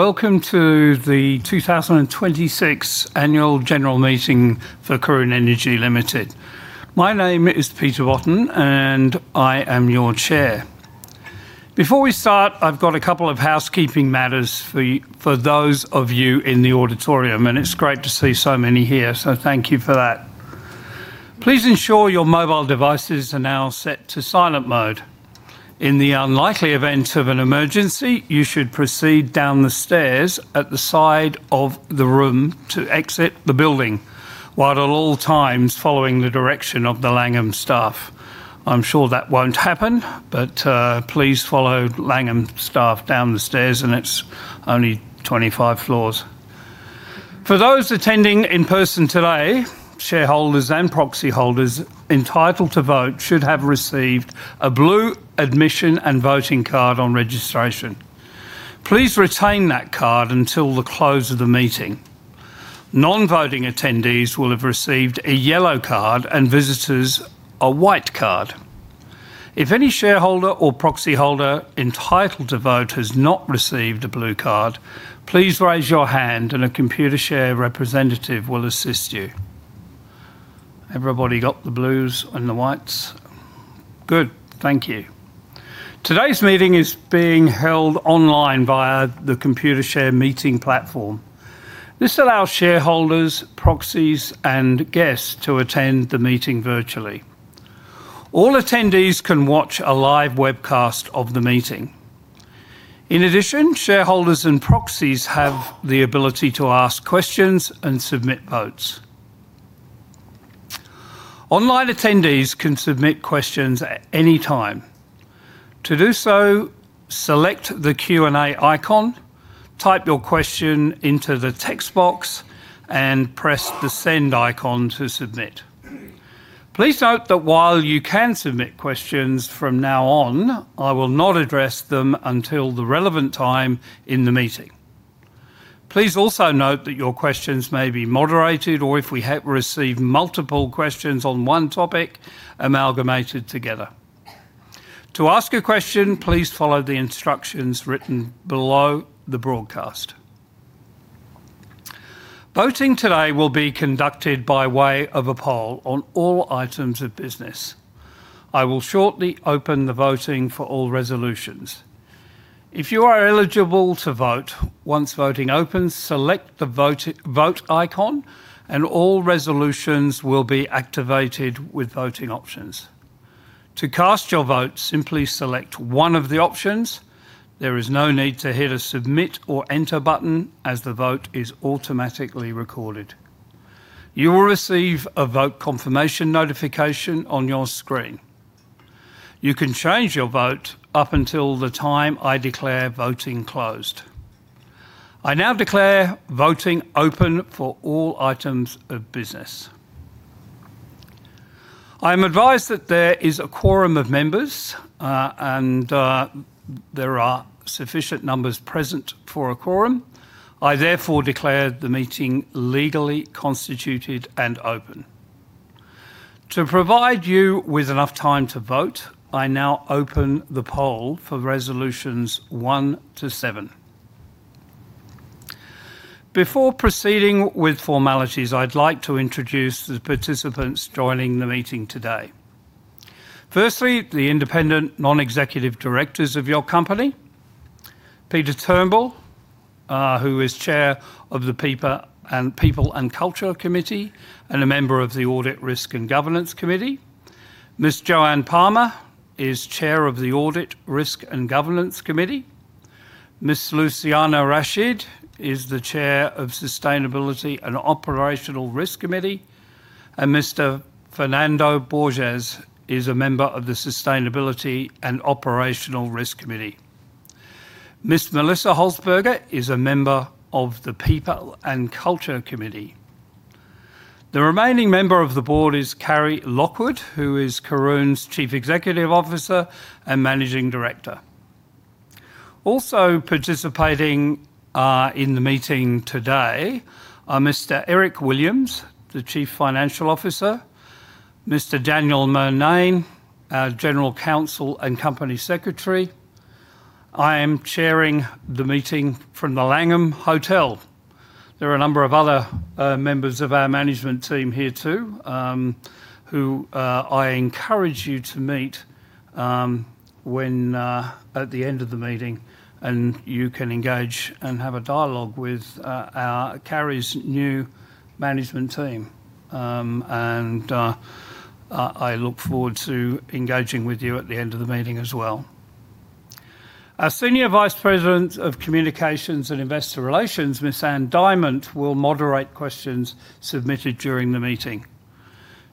Welcome to the 2026 Annual General Meeting for Karoon Energy Limited. My name is Peter Botten, and I am your chair. Before we start, I've got a couple of housekeeping matters for those of you in the auditorium, and it's great to see so many here, so thank you for that. Please ensure your mobile devices are now set to silent mode. In the unlikely event of an emergency, you should proceed down the stairs at the side of the room to exit the building, while at all times following the direction of the Langham staff. I'm sure that won't happen, but please follow Langham staff down the stairs, and it's only 25 floors. For those attending in person today, shareholders and proxy holders entitled to vote should have received a blue admission and voting card on registration. Please retain that card until the close of the meeting. Non-voting attendees will have received a yellow card, and visitors a white card. If any shareholder or proxy holder entitled to vote has not received a blue card, please raise your hand and a Computershare representative will assist you. Everybody got the blues and the whites? Good. Thank you. Today's meeting is being held online via the Computershare meeting platform. This allows shareholders, proxies, and guests to attend the meeting virtually. All attendees can watch a live webcast of the meeting. In addition, shareholders and proxies have the ability to ask questions and submit votes. Online attendees can submit questions at any time. To do so, select the Q&A icon, type your question into the text box, and press the Send icon to submit. Please note that while you can submit questions from now on, I will not address them until the relevant time in the meeting. Please also note that your questions may be moderated or, if we receive multiple questions on one topic, amalgamated together. To ask a question, please follow the instructions written below the broadcast. Voting today will be conducted by way of a poll on all items of business. I will shortly open the voting for all resolutions. If you are eligible to vote, once voting opens, select the Vote icon, and all resolutions will be activated with voting options. To cast your vote, simply select one of the options. There is no need to hit a Submit or Enter button, as the vote is automatically recorded. You will receive a vote confirmation notification on your screen. You can change your vote up until the time I declare voting closed. I now declare voting open for all items of business. I am advised that there is a quorum of members, and there are sufficient numbers present for a quorum. I therefore declare the meeting legally constituted and open. To provide you with enough time to vote, I now open the poll for resolutions one to seven. Before proceeding with formalities, I'd like to introduce the participants joining the meeting today. Firstly, the independent non-executive directors of your company. Peter Turnbull, who is Chair of the People and Culture Committee and a member of the Audit, Risk and Governance Committee. Ms. Joanne Palmer is Chair of the Audit, Risk and Governance Committee. Ms. Luciana Rachid is the Chair of Sustainability and Operational Risk Committee, and Mr. Fernando Borges is a member of the Sustainability and Operational Risk Committee. Ms. Melissa Holzberger is a member of the People and Culture Committee. The remaining member of the board is Carri Lockhart, who is Karoon's Chief Executive Officer and Managing Director. Also participating in the meeting today are Mr. Eric Williams, the Chief Financial Officer, Mr. Daniel Murnane, General Counsel and Company Secretary. I am chairing the meeting from The Langham, Melbourne. There are a number of other members of our management team here too who I encourage you to meet at the end of the meeting, and you can engage and have a dialogue with Carri's new management team. I look forward to engaging with you at the end of the meeting as well. Our Senior Vice President of Communications and Investor Relations, Ms. Ann Diamant, will moderate questions submitted during the meeting.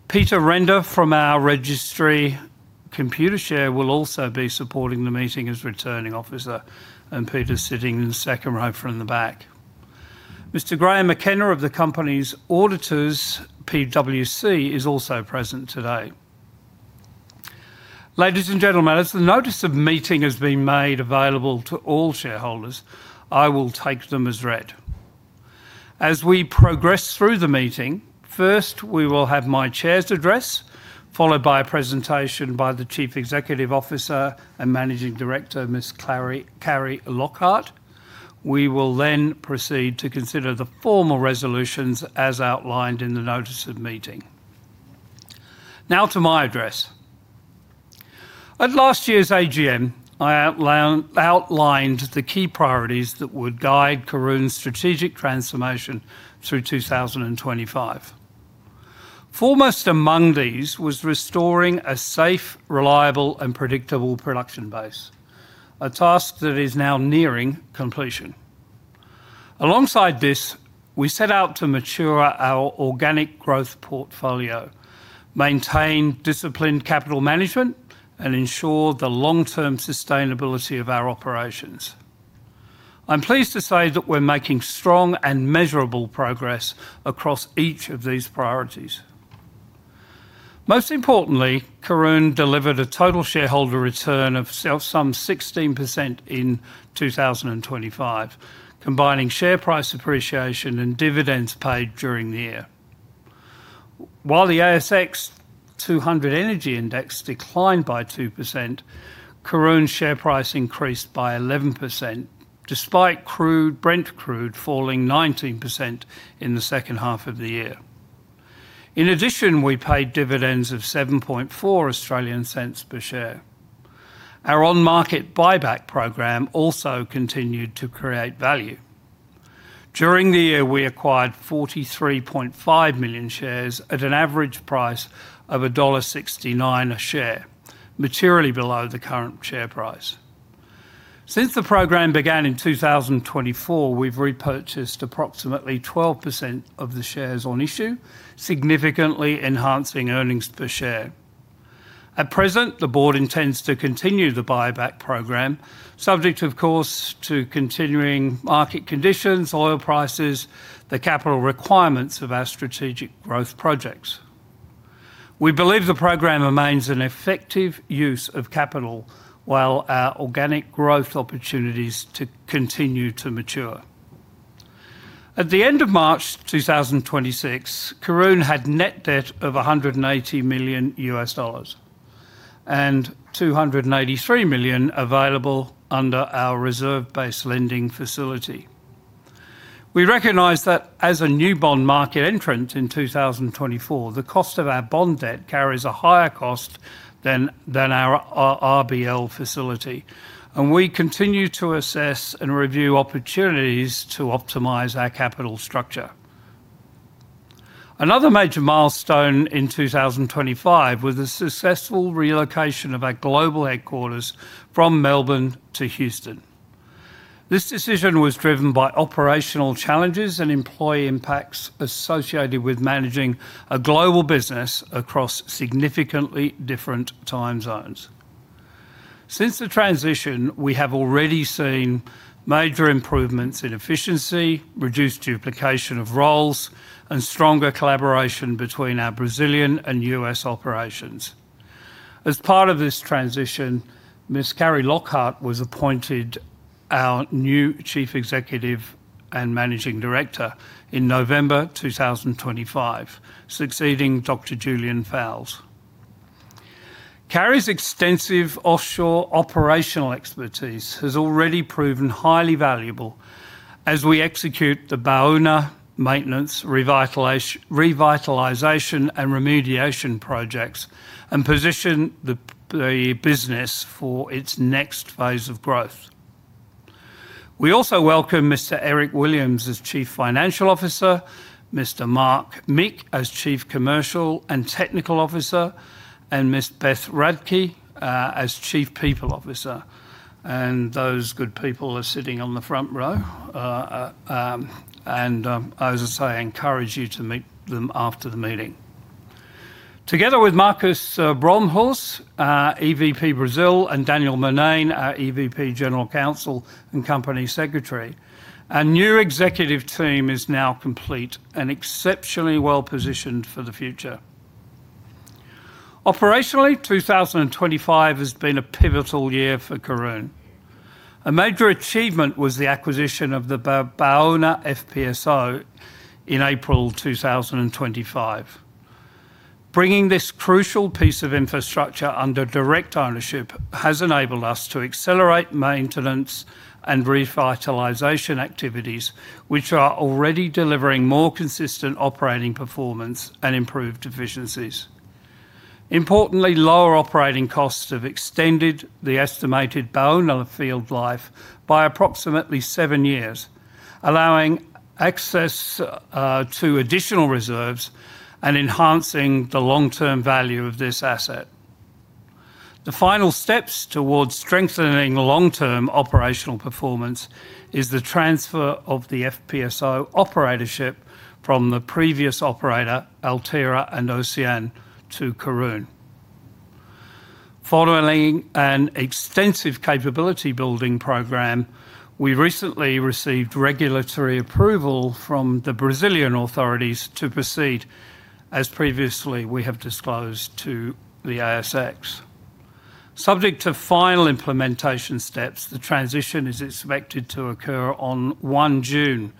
Peter Renda from our registry, Computershare, will also be supporting the meeting as Returning Officer, and Peter's sitting in the second row from the back. Mr. Graeme McKenzie of the company's auditors, PwC, is also present today. Ladies and gentlemen, as the notice of meeting has been made available to all shareholders, I will take them as read. As we progress through the meeting, first, we will have my Chair's address, followed by a presentation by the Chief Executive Officer and Managing Director, Ms. Carri Lockhart. We will then proceed to consider the formal resolutions as outlined in the notice of meeting. Now to my address. At last year's AGM, I outlined the key priorities that would guide Karoon's strategic transformation through 2025. Foremost among these was restoring a safe, reliable, and predictable production base, a task that is now nearing completion. Alongside this, we set out to mature our organic growth portfolio, maintain disciplined capital management, and ensure the long-term sustainability of our operations. I'm pleased to say that we're making strong and measurable progress across each of these priorities. Most importantly, Karoon delivered a total shareholder return of some 16% in 2025, combining share price appreciation and dividends paid during the year. While the ASX 200 Energy declined by 2%, Karoon's share price increased by 11%, despite Brent falling 19% in the second half of the year. In addition, we paid dividends of 0.074 per share. Our on-market buyback program also continued to create value. During the year, we acquired 43.5 million shares at an average price of dollar 1.69 a share, materially below the current share price. Since the program began in 2024, we've repurchased approximately 12% of the shares on issue, significantly enhancing earnings per share. At present, the board intends to continue the buyback program, subject of course to continuing market conditions, oil prices, the capital requirements of our strategic growth projects. We believe the program remains an effective use of capital while our organic growth opportunities continue to mature. At the end of March 2026, Karoon had net debt of $180 million and AUD 283 million available under our reserve base lending facility. We recognize that as a new bond market entrant in 2024, the cost of our bond debt carries a higher cost than our RBL facility, and we continue to assess and review opportunities to optimize our capital structure. Another major milestone in 2025 was the successful relocation of our global headquarters from Melbourne to Houston. This decision was driven by operational challenges and employee impacts associated with managing a global business across significantly different time zones. Since the transition, we have already seen major improvements in efficiency, reduced duplication of roles, and stronger collaboration between our Brazilian and U.S. operations. As part of this transition, Ms. Carri Lockhart was appointed our new Chief Executive and Managing Director in November 2025, succeeding Dr. Julian Fowles. Carri's extensive offshore operational expertise has already proven highly valuable as we execute the Baúna maintenance, revitalization, and remediation projects, and position the business for its next phase of growth. We also welcome Mr. Eric Williams as Chief Financial Officer, Mr. Mark Mick as Chief Commercial and Technical Officer, and Ms. Beth Radtke as Chief People Officer. Those good people are sitting on the front row. As I say, I encourage you to meet them after the meeting. Together with Marco Brummelhuis, EVP Brazil, and Daniel Murnane, our EVP General Counsel and Company Secretary, a new executive team is now complete and exceptionally well-positioned for the future. Operationally, 2025 has been a pivotal year for Karoon. A major achievement was the acquisition of the Baúna FPSO in April 2025. Bringing this crucial piece of infrastructure under direct ownership has enabled us to accelerate maintenance and revitalization activities, which are already delivering more consistent operating performance and improved efficiencies. Importantly, lower operating costs have extended the estimated Baúna field life by approximately 7 years, allowing access to additional reserves and enhancing the long-term value of this asset. The final steps towards strengthening long-term operational performance is the transfer of the FPSO operatorship from the previous operator, Altera & Ocyan, to Karoon. Following an extensive capability building program, we recently received regulatory approval from the Brazilian authorities to proceed, as previously we have disclosed to the ASX. Subject to final implementation steps, the transition is expected to occur on 1 June,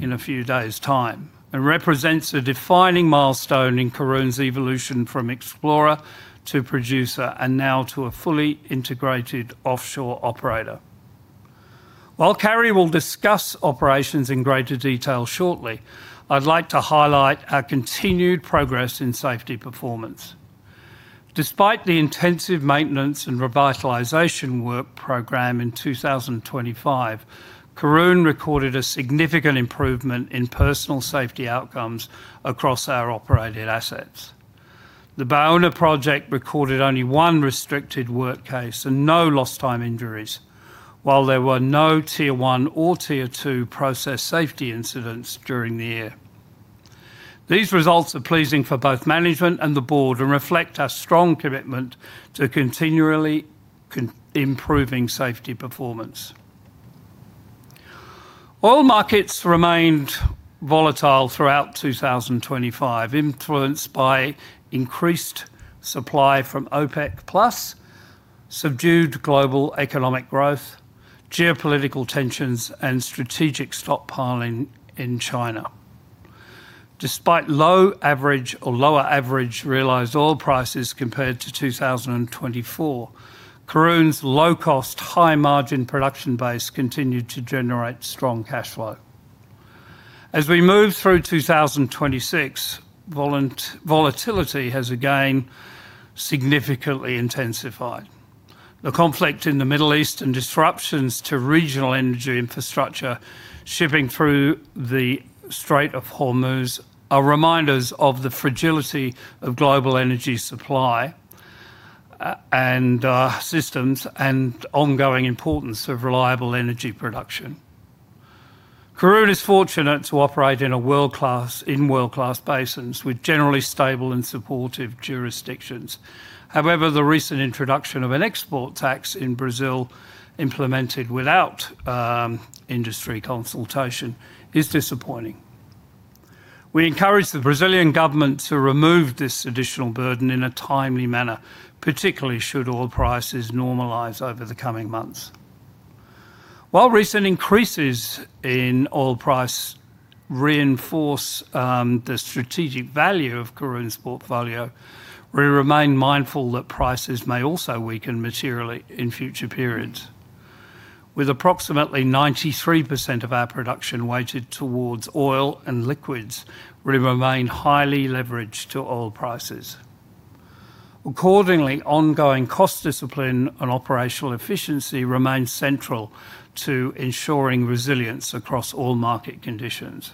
in a few days' time, and represents a defining milestone in Karoon's evolution from explorer to producer, and now to a fully integrated offshore operator. While Carri will discuss operations in greater detail shortly, I'd like to highlight our continued progress in safety performance. Despite the intensive maintenance and revitalization work program in 2025, Karoon recorded a significant improvement in personal safety outcomes across our operated assets. The Baúna project recorded only one restricted work case and no lost time injuries, while there were no Tier 1 or Tier 2 process safety incidents during the year. These results are pleasing for both management and the board, and reflect our strong commitment to continually improving safety performance. Oil markets remained volatile throughout 2025, influenced by increased supply from OPEC+, subdued global economic growth, geopolitical tensions, and strategic stockpiling in China. Despite lower average realized oil prices compared to 2024, Karoon's low-cost, high-margin production base continued to generate strong cash flow. As we move through 2026, volatility has again significantly intensified. The conflict in the Middle East and disruptions to regional energy infrastructure, shipping through the Strait of Hormuz, are reminders of the fragility of global energy supply and systems, and ongoing importance of reliable energy production. Karoon is fortunate to operate in world-class basins with generally stable and supportive jurisdictions. The recent introduction of an export tax in Brazil, implemented without industry consultation, is disappointing. We encourage the Brazilian government to remove this additional burden in a timely manner, particularly should oil prices normalize over the coming months. While recent increases in oil price reinforce the strategic value of Karoon's portfolio, we remain mindful that prices may also weaken materially in future periods. With approximately 93% of our production weighted towards oil and liquids, we remain highly leveraged to oil prices. Accordingly, ongoing cost discipline and operational efficiency remain central to ensuring resilience across all market conditions.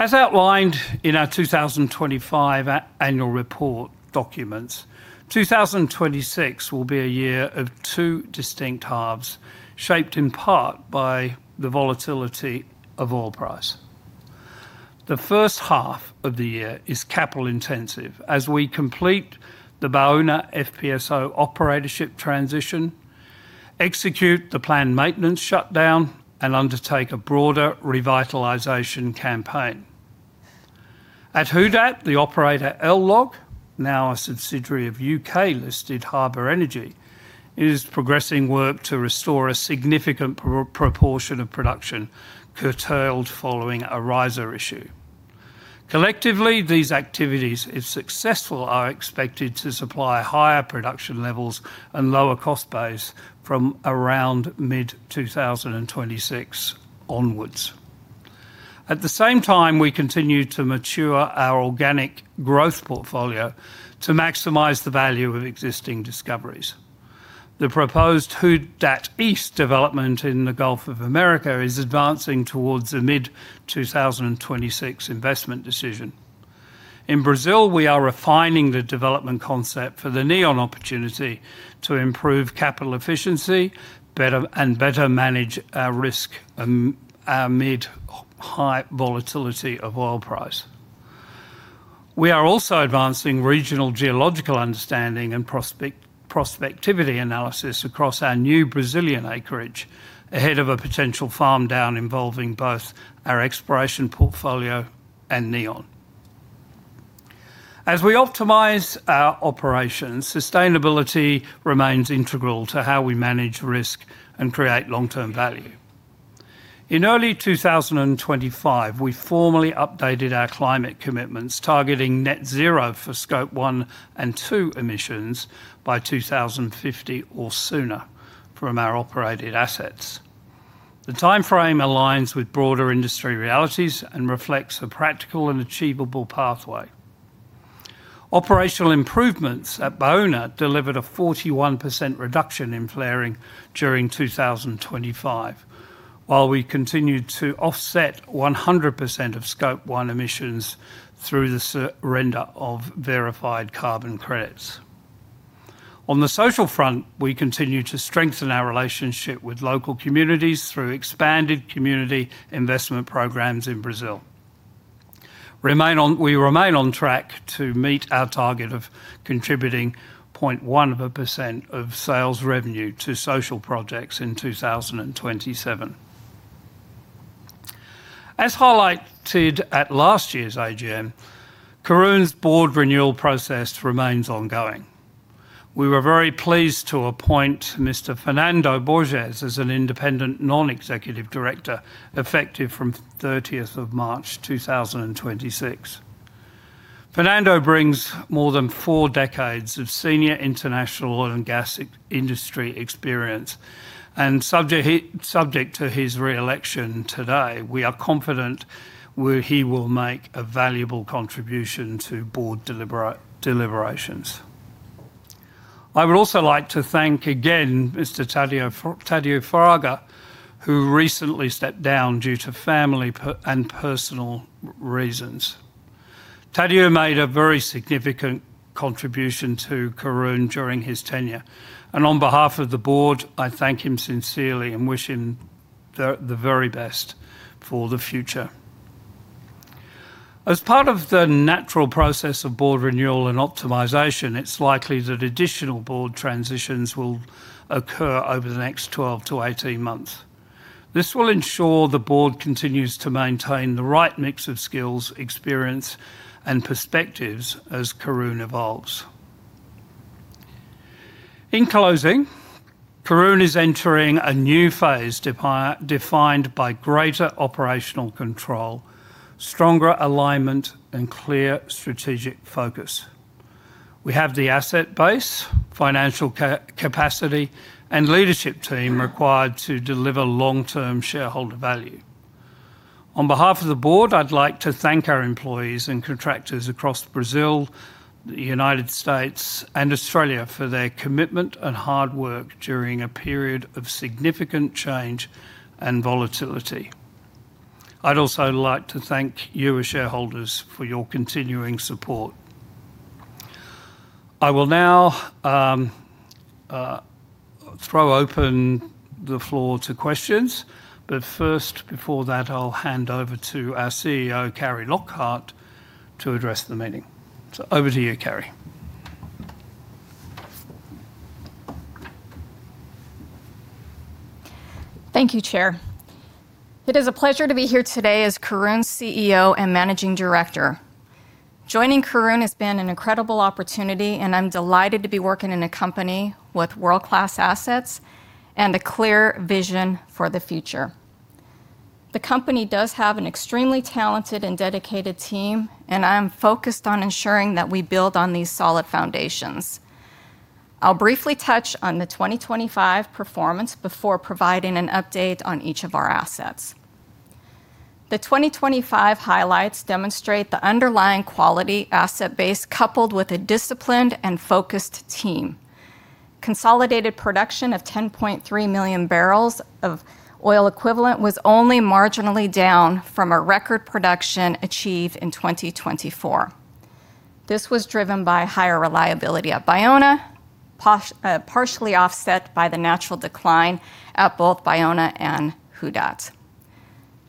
As outlined in our 2025 annual report documents, 2026 will be a year of two distinct halves, shaped in part by the volatility of oil price. The first half of the year is capital intensive as we complete the Baúna FPSO operatorship transition, execute the planned maintenance shutdown, and undertake a broader revitalization campaign. At Who Dat, the operator LLOG, now a subsidiary of U.K.-listed Harbour Energy, is progressing work to restore a significant proportion of production curtailed following a riser issue. Collectively, these activities, if successful, are expected to supply higher production levels and lower cost base from around mid-2026 onwards. At the same time, we continue to mature our organic growth portfolio to maximize the value of existing discoveries. The proposed Who Dat East development in the Gulf of Mexico is advancing towards a mid-2026 investment decision. In Brazil, we are refining the development concept for the Neon opportunity to improve capital efficiency and better manage our risk amid high volatility of oil price. We are also advancing regional geological understanding and prospectivity analysis across our new Brazilian acreage ahead of a potential farm down involving both our exploration portfolio and Neon. As we optimize our operations, sustainability remains integral to how we manage risk and create long-term value. In early 2025, we formally updated our climate commitments, targeting net zero for Scope 1 and 2 emissions by 2050 or sooner from our operated assets. The timeframe aligns with broader industry realities and reflects a practical and achievable pathway. Operational improvements at Baúna delivered a 41% reduction in flaring during 2025, while we continued to offset 100% of Scope 1 emissions through the surrender of verified carbon credits. On the social front, we continue to strengthen our relationship with local communities through expanded community investment programs in Brazil. We remain on track to meet our target of contributing 0.1% of sales revenue to social projects in 2027. As highlighted at last year's AGM, Karoon's board renewal process remains ongoing. We were very pleased to appoint Mr. Fernando Borges as an independent non-executive director effective from 30th of March 2026. Fernando brings more than four decades of senior international oil and gas industry experience. Subject to his re-election today, we are confident he will make a valuable contribution to board deliberations. I would also like to thank again Mr. Tadeu Fraga, who recently stepped down due to family and personal reasons. Tadeu made a very significant contribution to Karoon during his tenure. On behalf of the board, I thank him sincerely and wish him the very best for the future. As part of the natural process of board renewal and optimization, it's likely that additional board transitions will occur over the next 12-18 months. This will ensure the board continues to maintain the right mix of skills, experience, and perspectives as Karoon evolves. In closing, Karoon is entering a new phase defined by greater operational control, stronger alignment, and clear strategic focus. We have the asset base, financial capacity, and leadership team required to deliver long-term shareholder value. On behalf of the board, I'd like to thank our employees and contractors across Brazil, the U.S., and Australia for their commitment and hard work during a period of significant change and volatility. I'd also like to thank you as shareholders for your continuing support. I will now throw open the floor to questions. First, before that, I'll hand over to our CEO, Carri Lockhart, to address the meeting. Over to you, Carri. Thank you, Chair. It is a pleasure to be here today as Karoon's CEO and Managing Director. Joining Karoon has been an incredible opportunity, and I'm delighted to be working in a company with world-class assets and a clear vision for the future. The company does have an extremely talented and dedicated team, and I am focused on ensuring that we build on these solid foundations. I'll briefly touch on the 2025 performance before providing an update on each of our assets. The 2025 highlights demonstrate the underlying quality asset base, coupled with a disciplined and focused team. Consolidated production of 10.3 million barrels of oil equivalent was only marginally down from a record production achieved in 2024. This was driven by higher reliability at Baúna, partially offset by the natural decline at both Baúna and Who Dat.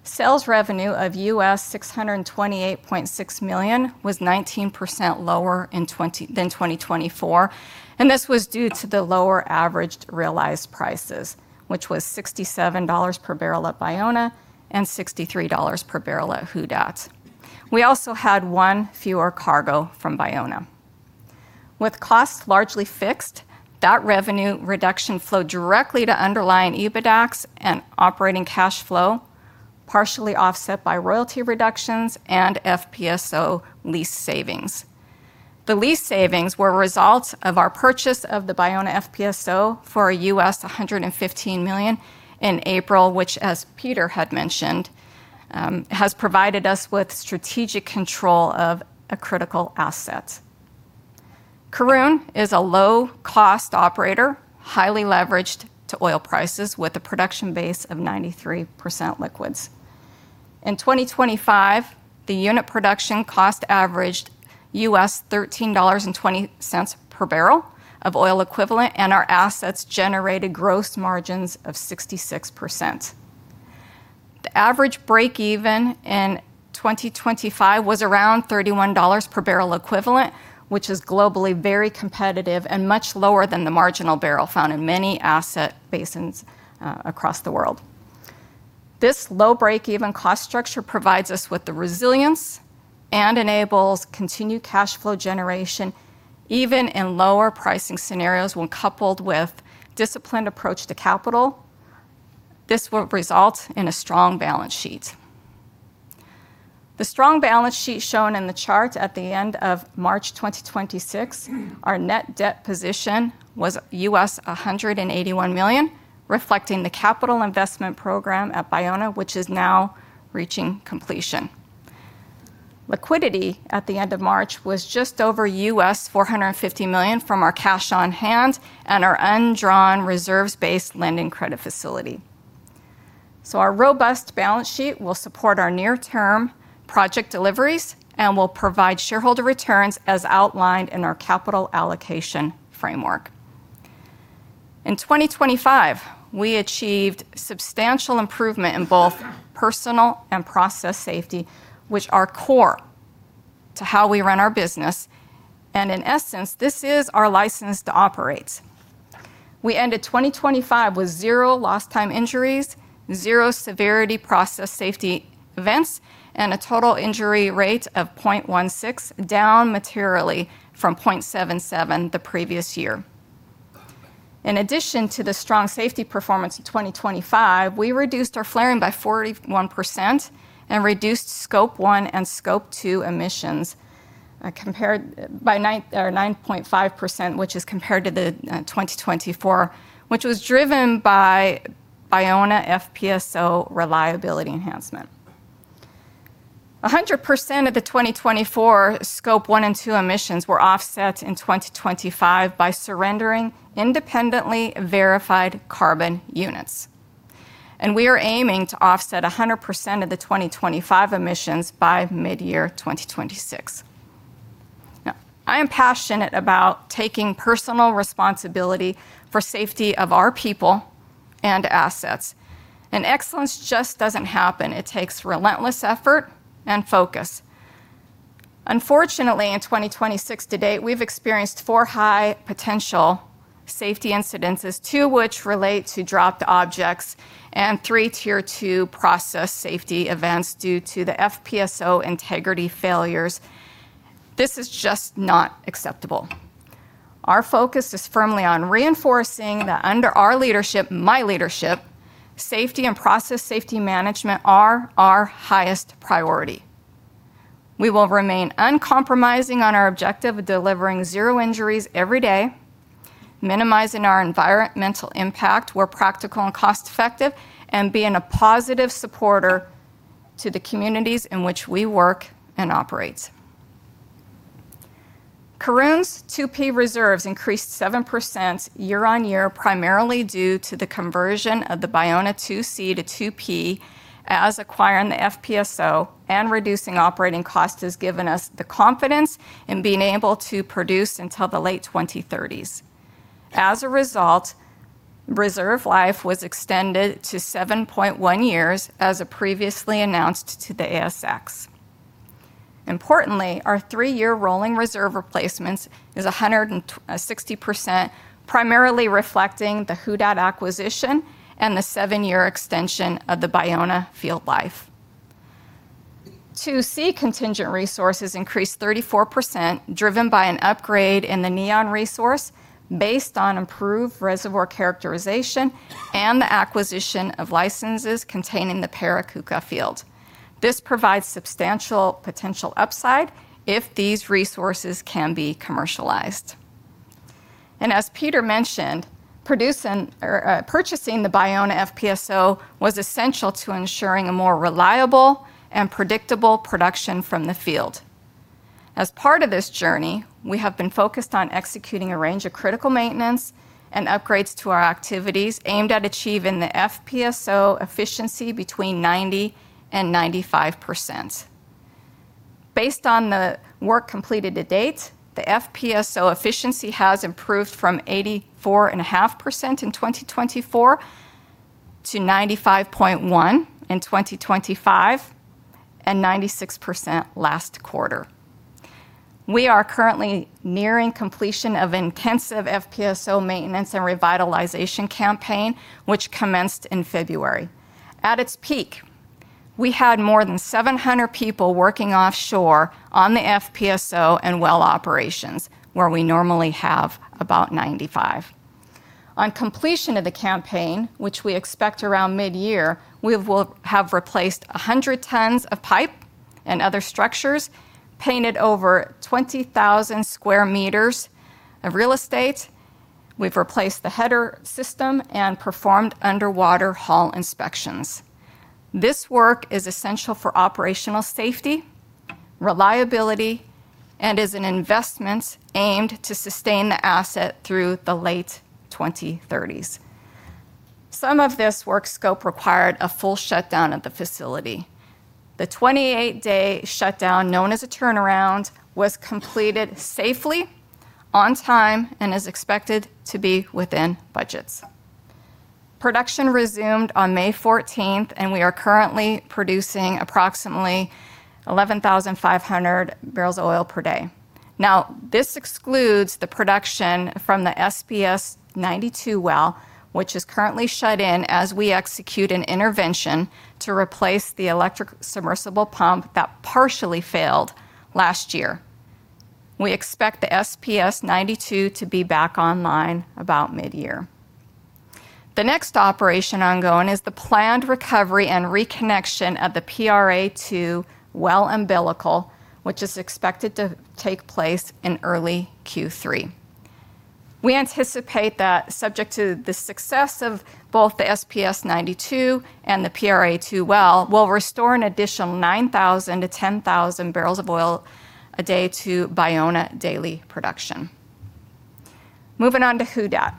Sales revenue of $628.6 million was 19% lower than 2024, and this was due to the lower averaged realized prices, which was $67 per barrel at Baúna and $63 per barrel at Who Dat. We also had one fewer cargo from Baúna. With costs largely fixed, that revenue reduction flowed directly to underlying EBITDAX and operating cash flow, partially offset by royalty reductions and FPSO lease savings. The lease savings were a result of our purchase of the Baúna FPSO for $115 million in April, which, as Peter had mentioned, has provided us with strategic control of a critical asset. Karoon is a low-cost operator, highly leveraged to oil prices with a production base of 93% liquids. In 2025, the unit production cost averaged $13.20 per barrel of oil equivalent, and our assets generated gross margins of 66%. The average break-even in 2025 was around 31 dollars per barrel equivalent, which is globally very competitive and much lower than the marginal barrel found in many asset basins across the world. This low break-even cost structure provides us with the resilience and enables continued cash flow generation, even in lower pricing scenarios, when coupled with disciplined approach to capital. This will result in a strong balance sheet. The strong balance sheet shown in the chart at the end of March 2026, our net debt position was $181 million, reflecting the capital investment program at Baúna, which is now reaching completion. Liquidity at the end of March was just over $450 million from our cash on hand and our undrawn reserve base lending facility. Our robust balance sheet will support our near-term project deliveries and will provide shareholder returns as outlined in our capital allocation framework. In 2025, we achieved substantial improvement in both personal and process safety, which are core to how we run our business. In essence, this is our license to operate. We ended 2025 with 0 lost time injuries, 0 severity process safety events, and a total injury rate of 0.16, down materially from 0.77 the previous year. In addition to the strong safety performance of 2025, we reduced our flaring by 41% and reduced Scope 1 and Scope 2 emissions by 9.5%, which is compared to the 2024, which was driven by Baúna FPSO reliability enhancement. 100% of the 2024 Scope 1 and 2 emissions were offset in 2025 by surrendering independently verified carbon units. We are aiming to offset 100% of the 2025 emissions by mid-year 2026. Now, I am passionate about taking personal responsibility for safety of our people and assets. Excellence just doesn't happen. It takes relentless effort and focus. Unfortunately, in 2026 to date, we've experienced four high potential safety incidences, two which relate to dropped objects and 3 Tier 2 process safety events due to the FPSO integrity failures. This is just not acceptable. Our focus is firmly on reinforcing that under our leadership, my leadership, safety and process safety management are our highest priority. We will remain uncompromising on our objective of delivering zero injuries every day, minimizing our environmental impact where practical and cost effective, and being a positive supporter to the communities in which we work and operate. Karoon's 2P reserves increased 7% year-on-year, primarily due to the conversion of the Baúna 2C to 2P, as acquiring the FPSO and reducing operating costs has given us the confidence in being able to produce until the late 2030s. Result, reserve life was extended to 7.1 years, as previously announced to the ASX. Importantly, our three-year rolling reserve replacements is 160%, primarily reflecting the Who Dat acquisition and the seven-year extension of the Baúna field life. To see contingent resources increase 34%, driven by an upgrade in the Neon resource based on improved reservoir characterization and the acquisition of licenses containing the Piracucá field. This provides substantial potential upside if these resources can be commercialized. As Peter mentioned, purchasing the Baúna FPSO was essential to ensuring a more reliable and predictable production from the field. As part of this journey, we have been focused on executing a range of critical maintenance and upgrades to our activities aimed at achieving the FPSO efficiency between 90% and 95%. Based on the work completed to date, the FPSO efficiency has improved from 84.5% in 2024 to 95.1% in 2025 and 96% last quarter. We are currently nearing completion of intensive FPSO maintenance and revitalization campaign, which commenced in February. At its peak, we had more than 700 people working offshore on the FPSO and well operations, where we normally have about 95. On completion of the campaign, which we expect around mid-year, we will have replaced 100 tons of pipe and other structures, painted over 20,000 m2 of real estate. We've replaced the header system and performed underwater hull inspections. This work is essential for operational safety, reliability, and is an investment aimed to sustain the asset through the late 2030s. Some of this work scope required a full shutdown of the facility. The 28-day shutdown, known as a turnaround, was completed safely, on time, and is expected to be within budgets. Production resumed on May 14th, and we are currently producing approximately 11,500 barrels of oil per day. Now, this excludes the production from the SPS-92 well, which is currently shut in as we execute an intervention to replace the electric submersible pump that partially failed last year. We expect the SPS-92 to be back online about mid-year. The next operation ongoing is the planned recovery and reconnection of the PRA-2 well umbilical, which is expected to take place in early Q3. We anticipate that, subject to the success of both the SPS-92 and the PRA-2 well, we'll restore an additional 9,000-10,000 barrels of oil a day to Baúna daily production. Moving on to Who Dat.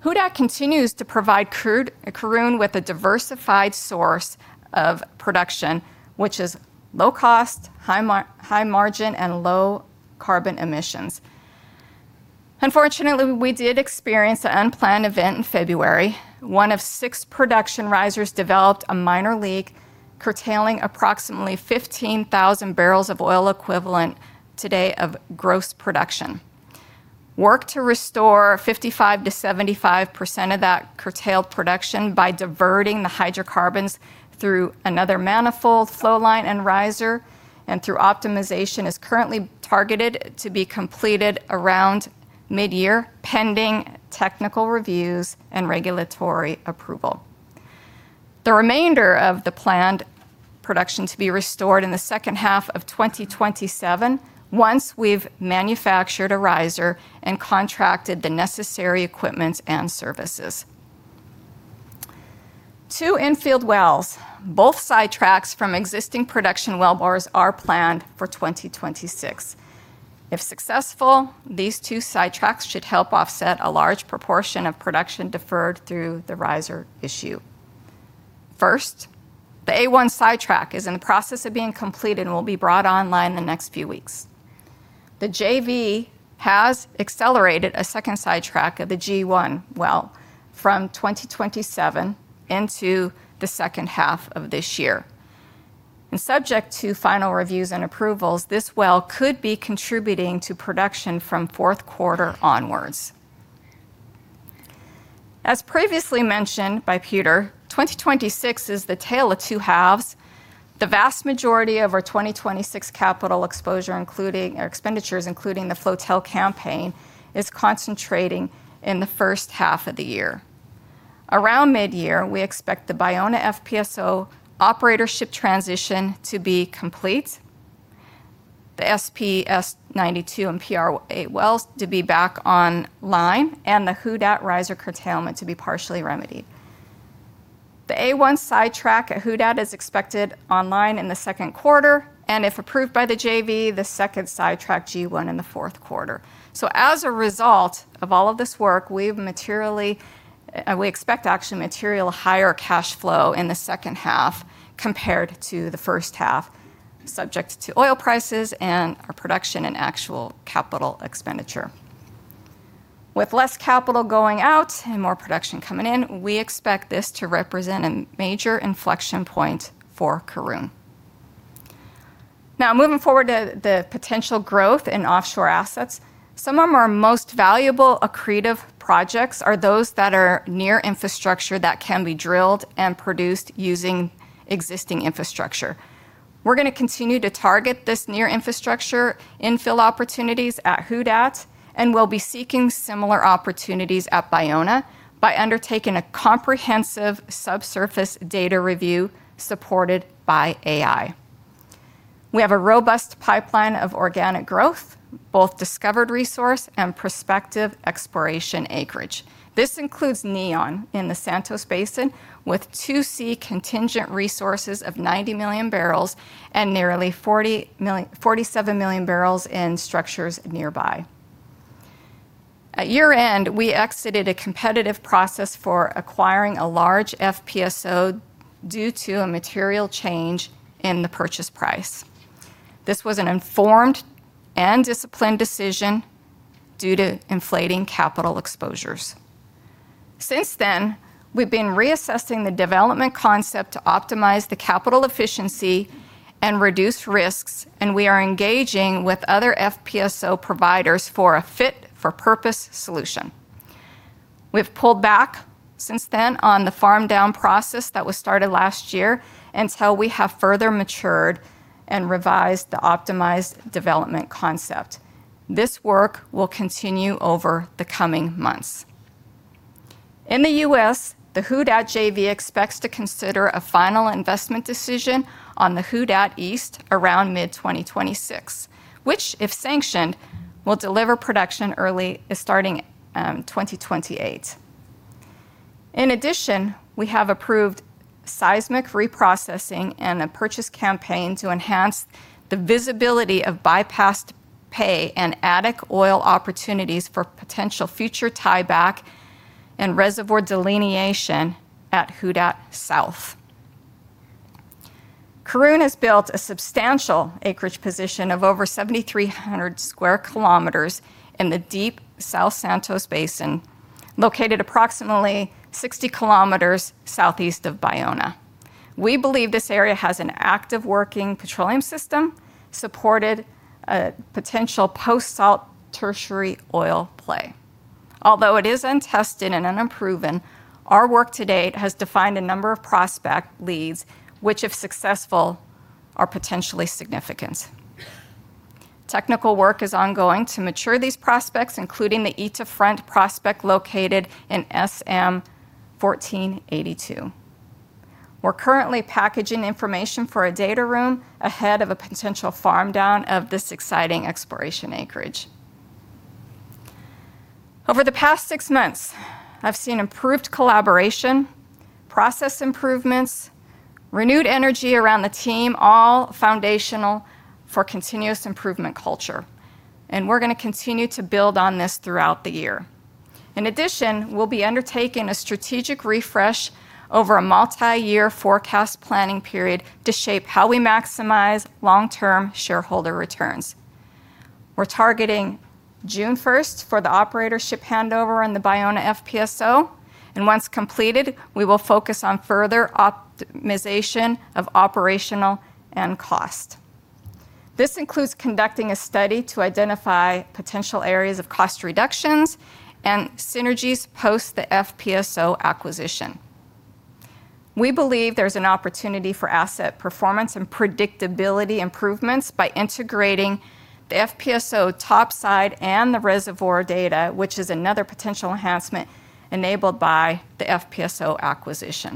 Who Dat continues to provide Karoon with a diversified source of production, which is low cost, high margin, and low carbon emissions. Unfortunately, we did experience an unplanned event in February. one of six production risers developed a minor leak, curtailing approximately 15,000 barrels of oil equivalent today of gross production. Work to restore 55%-75% of that curtailed production by diverting the hydrocarbons through another manifold flow line and riser, and through optimization, is currently targeted to be completed around mid-year, pending technical reviews and regulatory approval. The remainder of the planned production to be restored in the second half of 2027 once we've manufactured a riser and contracted the necessary equipment and services. Two infield wells, both sidetracks from existing production wellbores are planned for 2026. If successful, these two sidetracks should help offset a large proportion of production deferred through the riser issue. First, the A1 sidetrack is in the process of being completed and will be brought online in the next few weeks. The JV has accelerated a second sidetrack of the G1 well from 2027 into the second half of this year. Subject to final reviews and approvals, this well could be contributing to production from fourth quarter onwards. As previously mentioned by Peter, 2026 is the tale of two halves. The vast majority of our 2026 capital exposure, including our expenditures, including the floatel campaign, is concentrating in the first half of the year. Around mid-year, we expect the Baúna FPSO operatorship transition to be complete, the SPS-92 and PRA-2 wells to be back online, and the Who Dat riser curtailment to be partially remedied. The A1 sidetrack at Who Dat is expected online in the second quarter, and if approved by the JV, the second sidetrack G1 in the fourth quarter. As a result of all of this work, we expect actually material higher cash flow in the second half compared to the first half, subject to oil prices and our production and actual capital expenditure. With less capital going out and more production coming in, we expect this to represent a major inflection point for Karoon. Moving forward to the potential growth in offshore assets. Some of our most valuable accretive projects are those that are near infrastructure that can be drilled and produced using existing infrastructure. We're going to continue to target this near-infrastructure infill opportunities at Who Dat, and we'll be seeking similar opportunities at Baúna by undertaking a comprehensive subsurface data review supported by AI. We have a robust pipeline of organic growth, both discovered resource and prospective exploration acreage. This includes Neon in the Santos Basin, with 2C contingent resources of 90 million barrels and nearly 47 million barrels in structures nearby. At year-end, we exited a competitive process for acquiring a large FPSO due to a material change in the purchase price. This was an informed and disciplined decision due to inflating capital exposures. Since then, we've been reassessing the development concept to optimize the capital efficiency and reduce risks, and we are engaging with other FPSO providers for a fit-for-purpose solution. We've pulled back since then on the farm-down process that was started last year, until we have further matured and revised the optimized development concept. This work will continue over the coming months. In the U.S., the Who Dat JV expects to consider a final investment decision on the Who Dat East around mid-2026, which, if sanctioned, will deliver production early as starting 2028. In addition, we have approved seismic reprocessing and a purchase campaign to enhance the visibility of bypassed pay and attic oil opportunities for potential future tieback and reservoir delineation at Who Dat South. Karoon has built a substantial acreage position of over 7,300 km2 in the deep South Santos Basin, located approximately 60 km southeast of Baúna. We believe this area has an active working petroleum system, supported a potential post-salt tertiary oil play. Although it is untested and unproven, our work to date has defined a number of prospect leads, which, if successful, are potentially significant. Technical work is ongoing to mature these prospects, including the Itaipu prospect located in SM 1482. We're currently packaging information for a data room ahead of a potential farm-down of this exciting exploration acreage. Over the past six months, I've seen improved collaboration, process improvements, renewed energy around the team, all foundational for continuous improvement culture. We're going to continue to build on this throughout the year. In addition, we'll be undertaking a strategic refresh over a multiyear forecast planning period to shape how we maximize long-term shareholder returns. We're targeting June 1st for the operatorship handover on the Baúna FPSO, and once completed, we will focus on further optimization of operational and cost. This includes conducting a study to identify potential areas of cost reductions and synergies post the FPSO acquisition. We believe there's an opportunity for asset performance and predictability improvements by integrating the FPSO topside and the reservoir data, which is another potential enhancement enabled by the FPSO acquisition.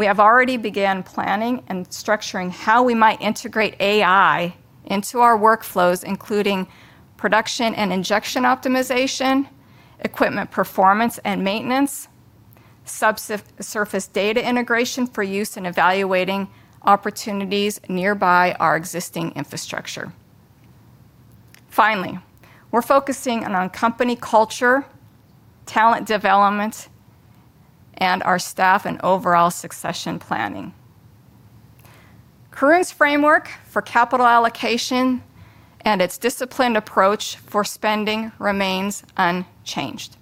We have already begun planning and structuring how we might integrate AI into our workflows, including production and injection optimization, equipment performance and maintenance, subsurface data integration for use in evaluating opportunities nearby our existing infrastructure. We're focusing in on company culture, talent development, and our staff and overall succession planning. Karoon's framework for capital allocation and its disciplined approach for spending remains unchanged.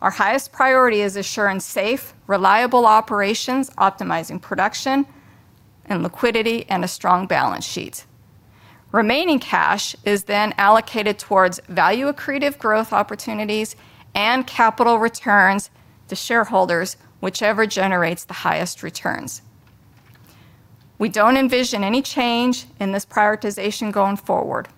Our highest priority is ensuring safe, reliable operations, optimizing production and liquidity, and a strong balance sheet. Remaining cash is allocated towards value accretive growth opportunities and capital returns to shareholders, whichever generates the highest returns. We don't envision any change in this prioritization going forward,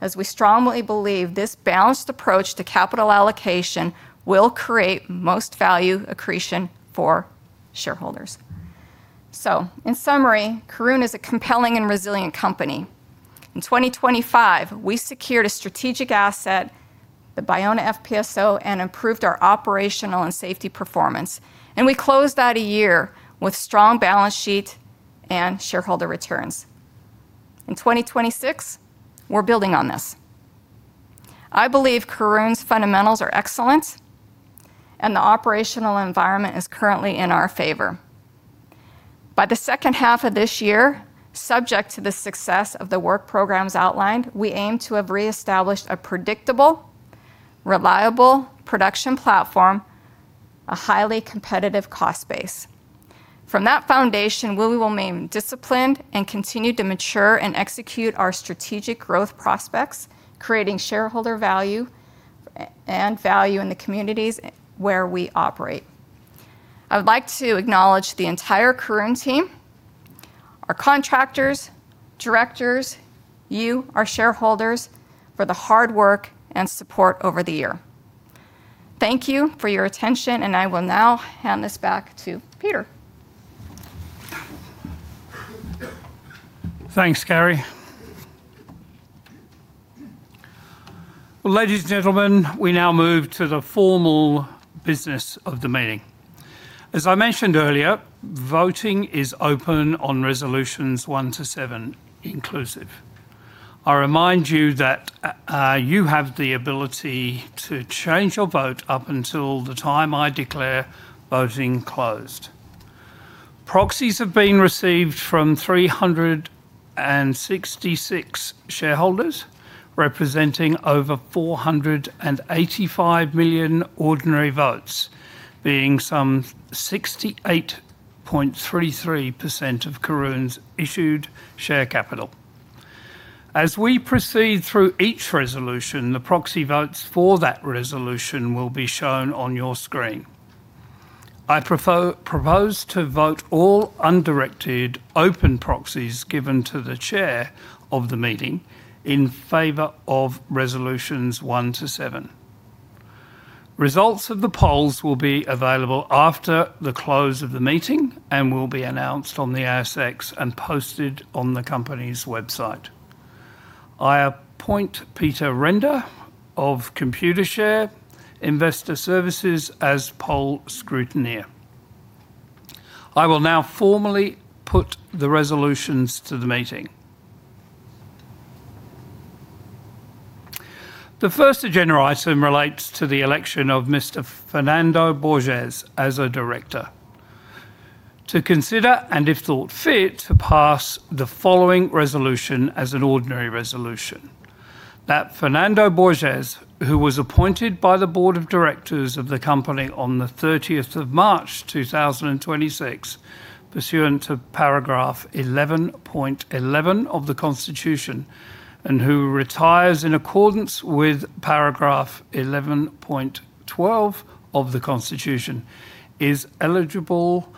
as we strongly believe this balanced approach to capital allocation will create most value accretion for shareholders. In summary, Karoon is a compelling and resilient company. In 2025, we secured a strategic asset, the Baúna FPSO, and improved our operational and safety performance, and we closed out a year with strong balance sheet and shareholder returns. In 2026, we're building on this. I believe Karoon's fundamentals are excellent and the operational environment is currently in our favor. By the second half of this year, subject to the success of the work programs outlined, we aim to have reestablished a predictable, reliable production platform, a highly competitive cost base. From that foundation, we will remain disciplined and continue to mature and execute our strategic growth prospects, creating shareholder value, and value in the communities where we operate. I would like to acknowledge the entire Karoon team, our contractors, directors, you, our shareholders, for the hard work and support over the year. Thank you for your attention, and I will now hand this back to Peter. Thanks, Carri. Ladies and gentlemen, we now move to the formal business of the meeting. As I mentioned earlier, voting is open on resolutions one-seven inclusive. I remind you that you have the ability to change your vote up until the time I declare voting closed. Proxies have been received from 366 shareholders, representing over 485 million ordinary votes, being some 68.33% of Karoon's issued share capital. As we proceed through each resolution, the proxy votes for that resolution will be shown on your screen. I propose to vote all undirected open proxies given to the chair of the meeting in favor of resolutions one-seven. Results of the polls will be available after the close of the meeting and will be announced on the ASX and posted on the company's website. I appoint Peter Renda of Computershare Investor Services as poll scrutineer. I will now formally put the resolutions to the meeting. The first agenda item relates to the election of Mr. Fernando Borges as a director. To consider, and if thought fit, to pass the following resolution as an ordinary resolution. That Fernando Borges, who was appointed by the board of directors of the company on the 30th of March 2026, pursuant to paragraph 11.11 of the Constitution, and who retires in accordance with paragraph 11.12 of the Constitution, is eligible,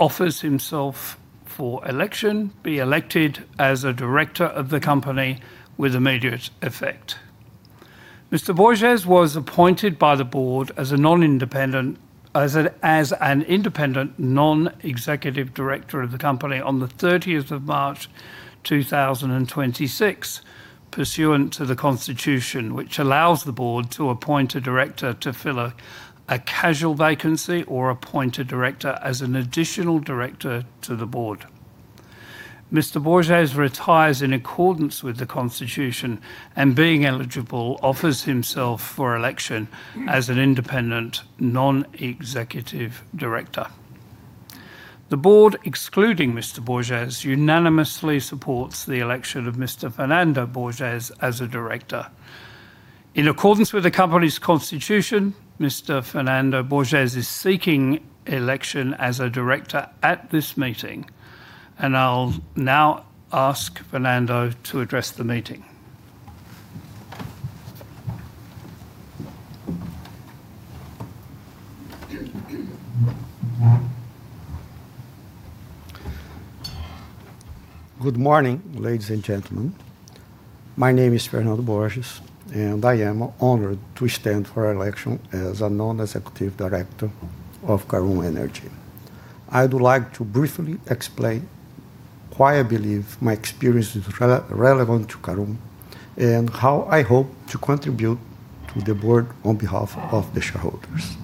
offers himself for election, be elected as a director of the company with immediate effect. Mr. Borges was appointed by the board as an independent non-executive director of the company on the 30th of March 2026 pursuant to the Constitution, which allows the board to appoint a director to fill a casual vacancy or appoint a director as an additional director to the board. Mr. Borges retires in accordance with the Constitution, and being eligible, offers himself for election as an Independent Non-Executive Director. The board, excluding Mr. Borges, unanimously supports the election of Mr. Fernando Borges as a director. In accordance with the company's Constitution, Mr. Fernando Borges is seeking election as a director at this meeting, and I'll now ask Fernando to address the meeting. Good morning, ladies and gentlemen. My name is Fernando Borges, and I am honored to stand for election as a Non-Executive Director of Karoon Energy. I would like to briefly explain why I believe my experience is relevant to Karoon, and how I hope to contribute to the board on behalf of the shareholders.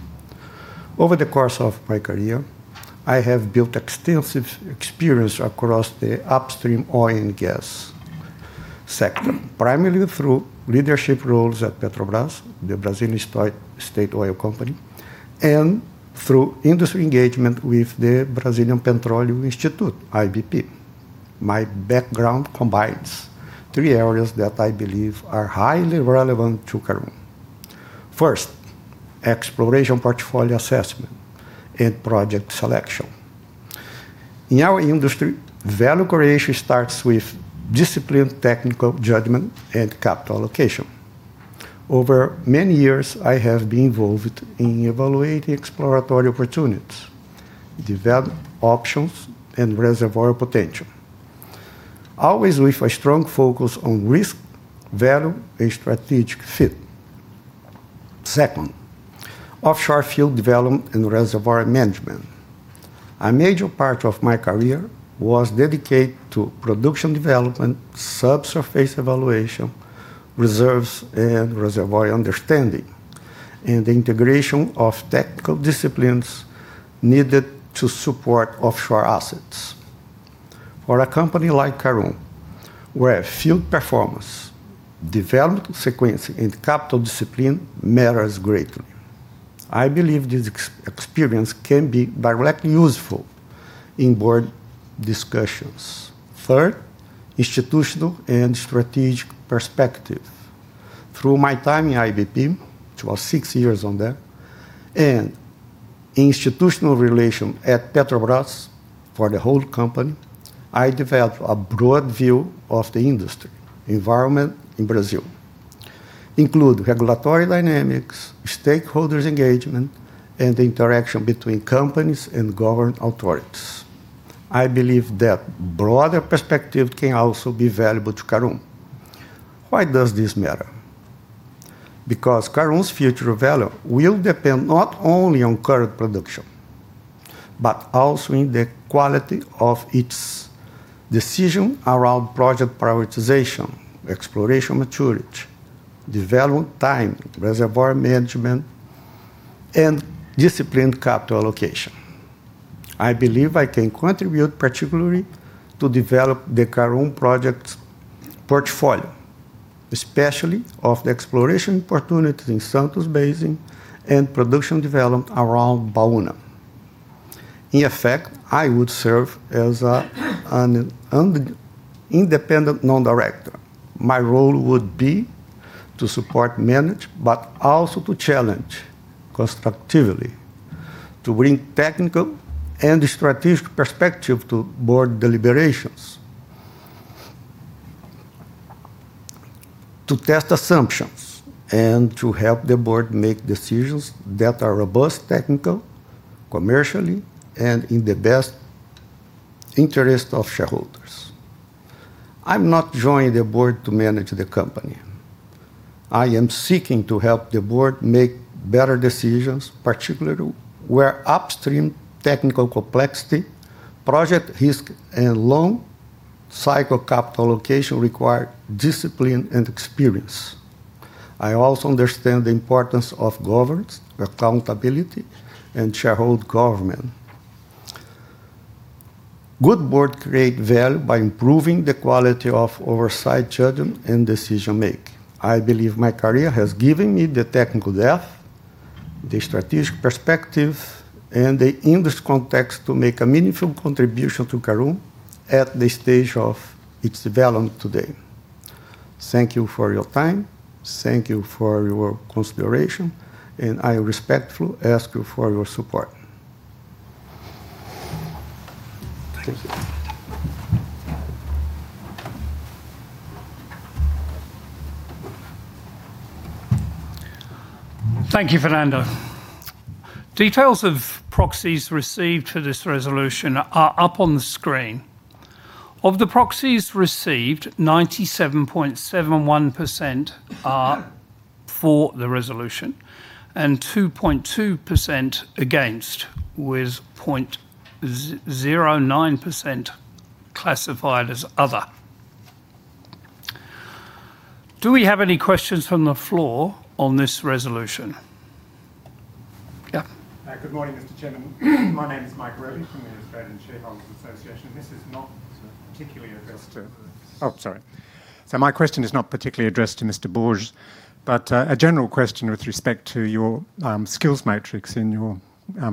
Over the course of my career, I have built extensive experience across the upstream oil and gas sector, primarily through leadership roles at Petrobras, the Brazilian state oil company, and through industry engagement with the Brazilian Petroleum Institute, IBP. My background combines three areas that I believe are highly relevant to Karoon. First, exploration portfolio assessment and project selection. In our industry, value creation starts with disciplined technical judgment and capital allocation. Over many years, I have been involved in evaluating exploratory opportunities, develop options and reservoir potential, always with a strong focus on risk, value, and strategic fit. Second, offshore field development and reservoir management. A major part of my career was dedicated to production development, subsurface evaluation, reserves and reservoir understanding, and the integration of technical disciplines needed to support offshore assets. For a company like Karoon, where field performance, development sequencing, and capital discipline matters greatly. I believe this experience can be directly useful in board discussions. Third, institutional and strategic perspective. Through my time in IBP, which was six years on there, and institutional relation at Petrobras for the whole company, I developed a broad view of the industry environment in Brazil, include regulatory dynamics, stakeholders engagement, and the interaction between companies and government authorities. I believe that broader perspective can also be valuable to Karoon. Why does this matter? Because Karoon's future value will depend not only on current production, but also in the quality of its decision around project prioritization, exploration maturity, development timing, reservoir management, and disciplined capital allocation. I believe I can contribute particularly to develop the Karoon project portfolio, especially of the exploration opportunities in Santos Basin and production development around Baúna. In effect, I would serve as an independent non-director. My role would be to support management, but also to challenge constructively to bring technical and strategic perspective to board deliberations, to test assumptions, and to help the board make decisions that are robust technical, commercially, and in the best interest of shareholders. I'm not joining the board to manage the company. I am seeking to help the board make better decisions, particularly where upstream technical complexity, project risk, and long-cycle capital allocation require discipline and experience. I also understand the importance of governance, accountability, and shareholder governance. Good boards create value by improving the quality of oversight, judgment, and decision-making. I believe my career has given me the technical depth, the strategic perspective, and the industry context to make a meaningful contribution to Karoon at this stage of its development today. Thank you for your time, thank you for your consideration. I respectfully ask you for your support. Peter. Thank you, Fernando. Details of proxies received for this resolution are up on the screen. Of the proxies received, 97.71% are for the resolution and 2.2% against, with 0.09% classified as other. Do we have any questions from the floor on this resolution? Yeah. Good morning, Mr. Chairman. My name is Mike Robey from the Australian Shareholders' Association. Oh, sorry. My question is not particularly addressed to Mr. Borges, but a general question with respect to your skills matrix in your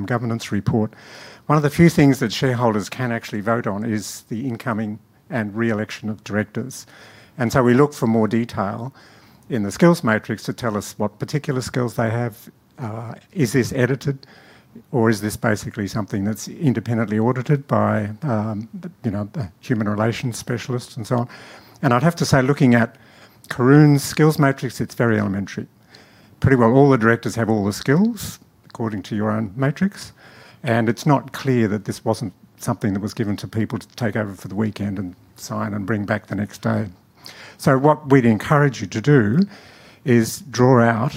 governance report. One of the few things that shareholders can actually vote on is the incoming and re-election of directors. We look for more detail in the skills matrix to tell us what particular skills they have. Is this edited or is this basically something that's independently audited by the human relations specialists and so on? I'd have to say, looking at Karoon's skills matrix, it's very elementary. Pretty well all the directors have all the skills according to your own matrix, and it's not clear that this wasn't something that was given to people to take over for the weekend and sign and bring back the next day. What we'd encourage you to do is draw out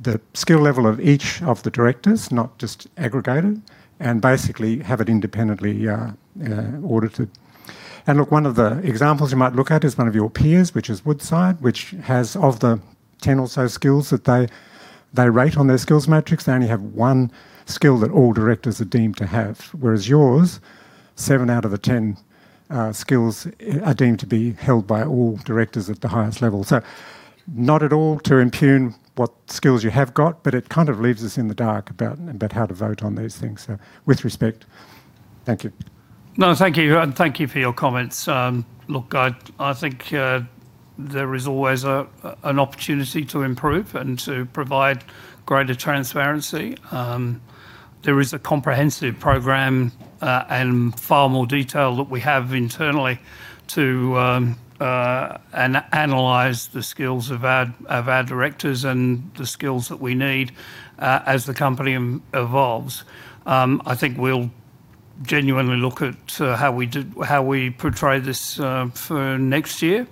the skill level of each of the directors, not just aggregate them, and basically have it independently audited. Look, one of the examples you might look at is one of your peers, which is Woodside, which has, of the 10 or so skills that they rate on their skills matrix, they only have one skill that all directors are deemed to have. Whereas yours, seven out of the 10 skills are deemed to be held by all directors at the highest level. Not at all to impugn what skills you have got, but it kind of leaves us in the dark about how to vote on these things. With respect, thank you. No, thank you. Thank you for your comments. Look, I think there is always an opportunity to improve and to provide greater transparency. There is a comprehensive program, and far more detail that we have internally to analyze the skills of our directors and the skills that we need as the company evolves. I think we'll genuinely look at how we portray this for next year.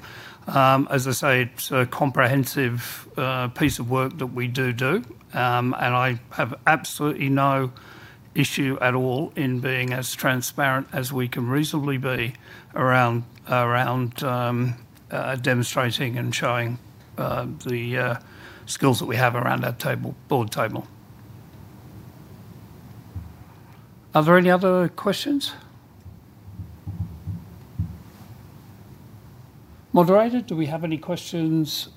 As I say, it's a comprehensive piece of work that we do. I have absolutely no issue at all in being as transparent as we can reasonably be around demonstrating and showing the skills that we have around our board table. Are there any other questions? Moderator, do we have any questions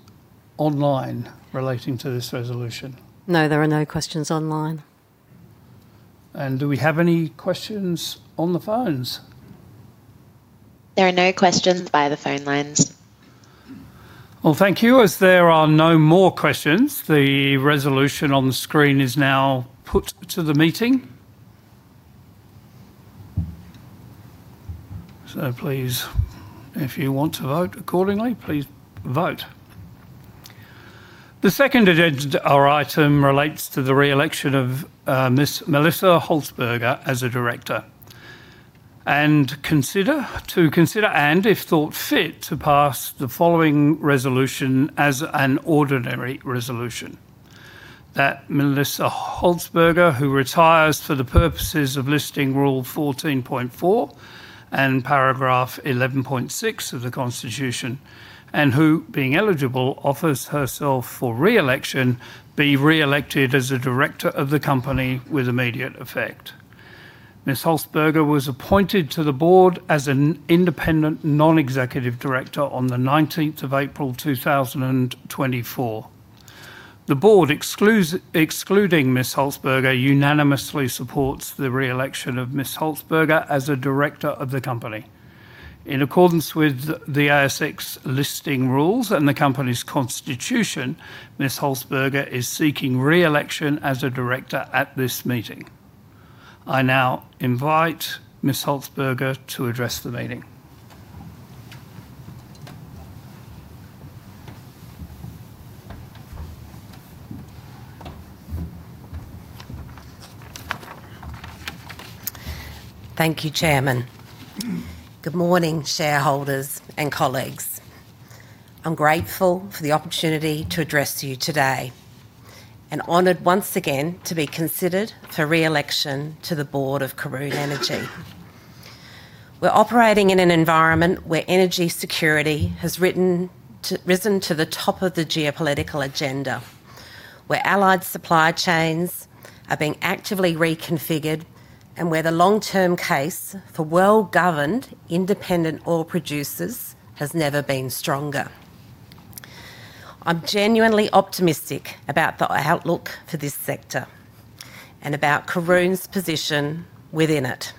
online relating to this resolution? No, there are no questions online. Do we have any questions on the phones? There are no questions by the phone lines. Well, thank you. As there are no more questions, the resolution on the screen is now put to the meeting. Please, if you want to vote accordingly, please vote. The second agenda item relates to the re-election of Ms. Melissa Holzberger as a director. To consider, and if thought fit, to pass the following resolution as an ordinary resolution. That Melissa Holzberger, who retires for the purposes of Listing Rule 14.4 and paragraph 11.6 of the Constitution, and who being eligible offers herself for re-election, be re-elected as a director of the company with immediate effect. Ms. Holzberger was appointed to the board as an independent non-executive director on the 19th of April 2024. The board, excluding Ms. Holzberger, unanimously supports the re-election of Ms. Holzberger as a director of the company. In accordance with the ASX Listing Rules and the company's constitution, Ms. Holzberger is seeking re-election as a director at this meeting. I now invite Ms. Holzberger to address the meeting. Thank you, Chairman. Good morning, shareholders and colleagues. I'm grateful for the opportunity to address you today, and honored once again to be considered for re-election to the board of Karoon Energy. We're operating in an environment where energy security has risen to the top of the geopolitical agenda, where allied supply chains are being actively reconfigured, and where the long-term case for well-governed independent oil producers has never been stronger. I'm genuinely optimistic about the outlook for this sector and about Karoon's position within it.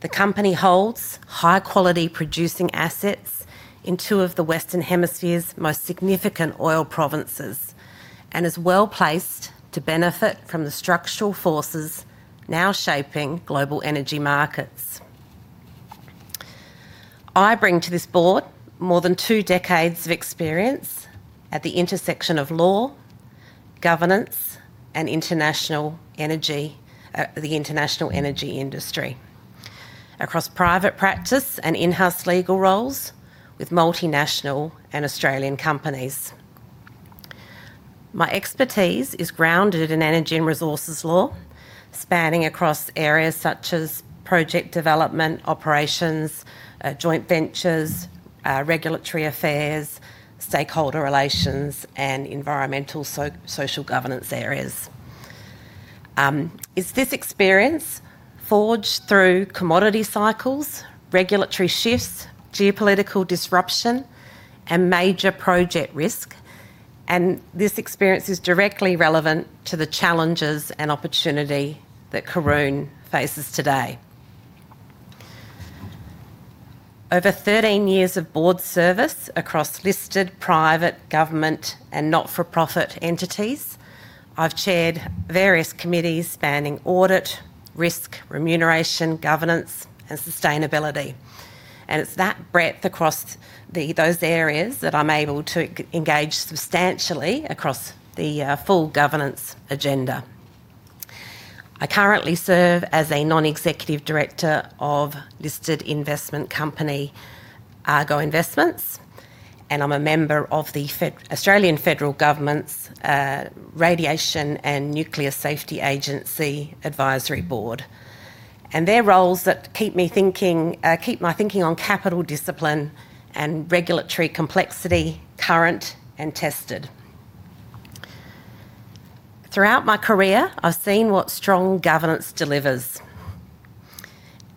The company holds high-quality producing assets in two of the Western Hemisphere's most significant oil provinces and is well-placed to benefit from the structural forces now shaping global energy markets. I bring to this board more than two decades of experience at the intersection of law, governance, and the international energy industry across private practice and in-house legal roles with multinational and Australian companies. My expertise is grounded in energy and resources law, spanning across areas such as project development, operations, joint ventures regulatory affairs, stakeholder relations, and environmental, social governance areas. It's this experience, forged through commodity cycles, regulatory shifts, geopolitical disruption, and major project risk, and this experience is directly relevant to the challenges and opportunity that Karoon faces today. Over 13 years of board service across listed, private, government, and not-for-profit entities, I've chaired various committees spanning audit, risk, remuneration, governance, and sustainability. It's that breadth across those areas that I'm able to engage substantially across the full governance agenda. I currently serve as a Non-Executive Director of listed investment company, Argo Investments, and I'm a member of the Australian Federal Government's Radiation Health and Safety Advisory Council. They're roles that keep my thinking on capital discipline and regulatory complexity current and tested. Throughout my career, I've seen what strong governance delivers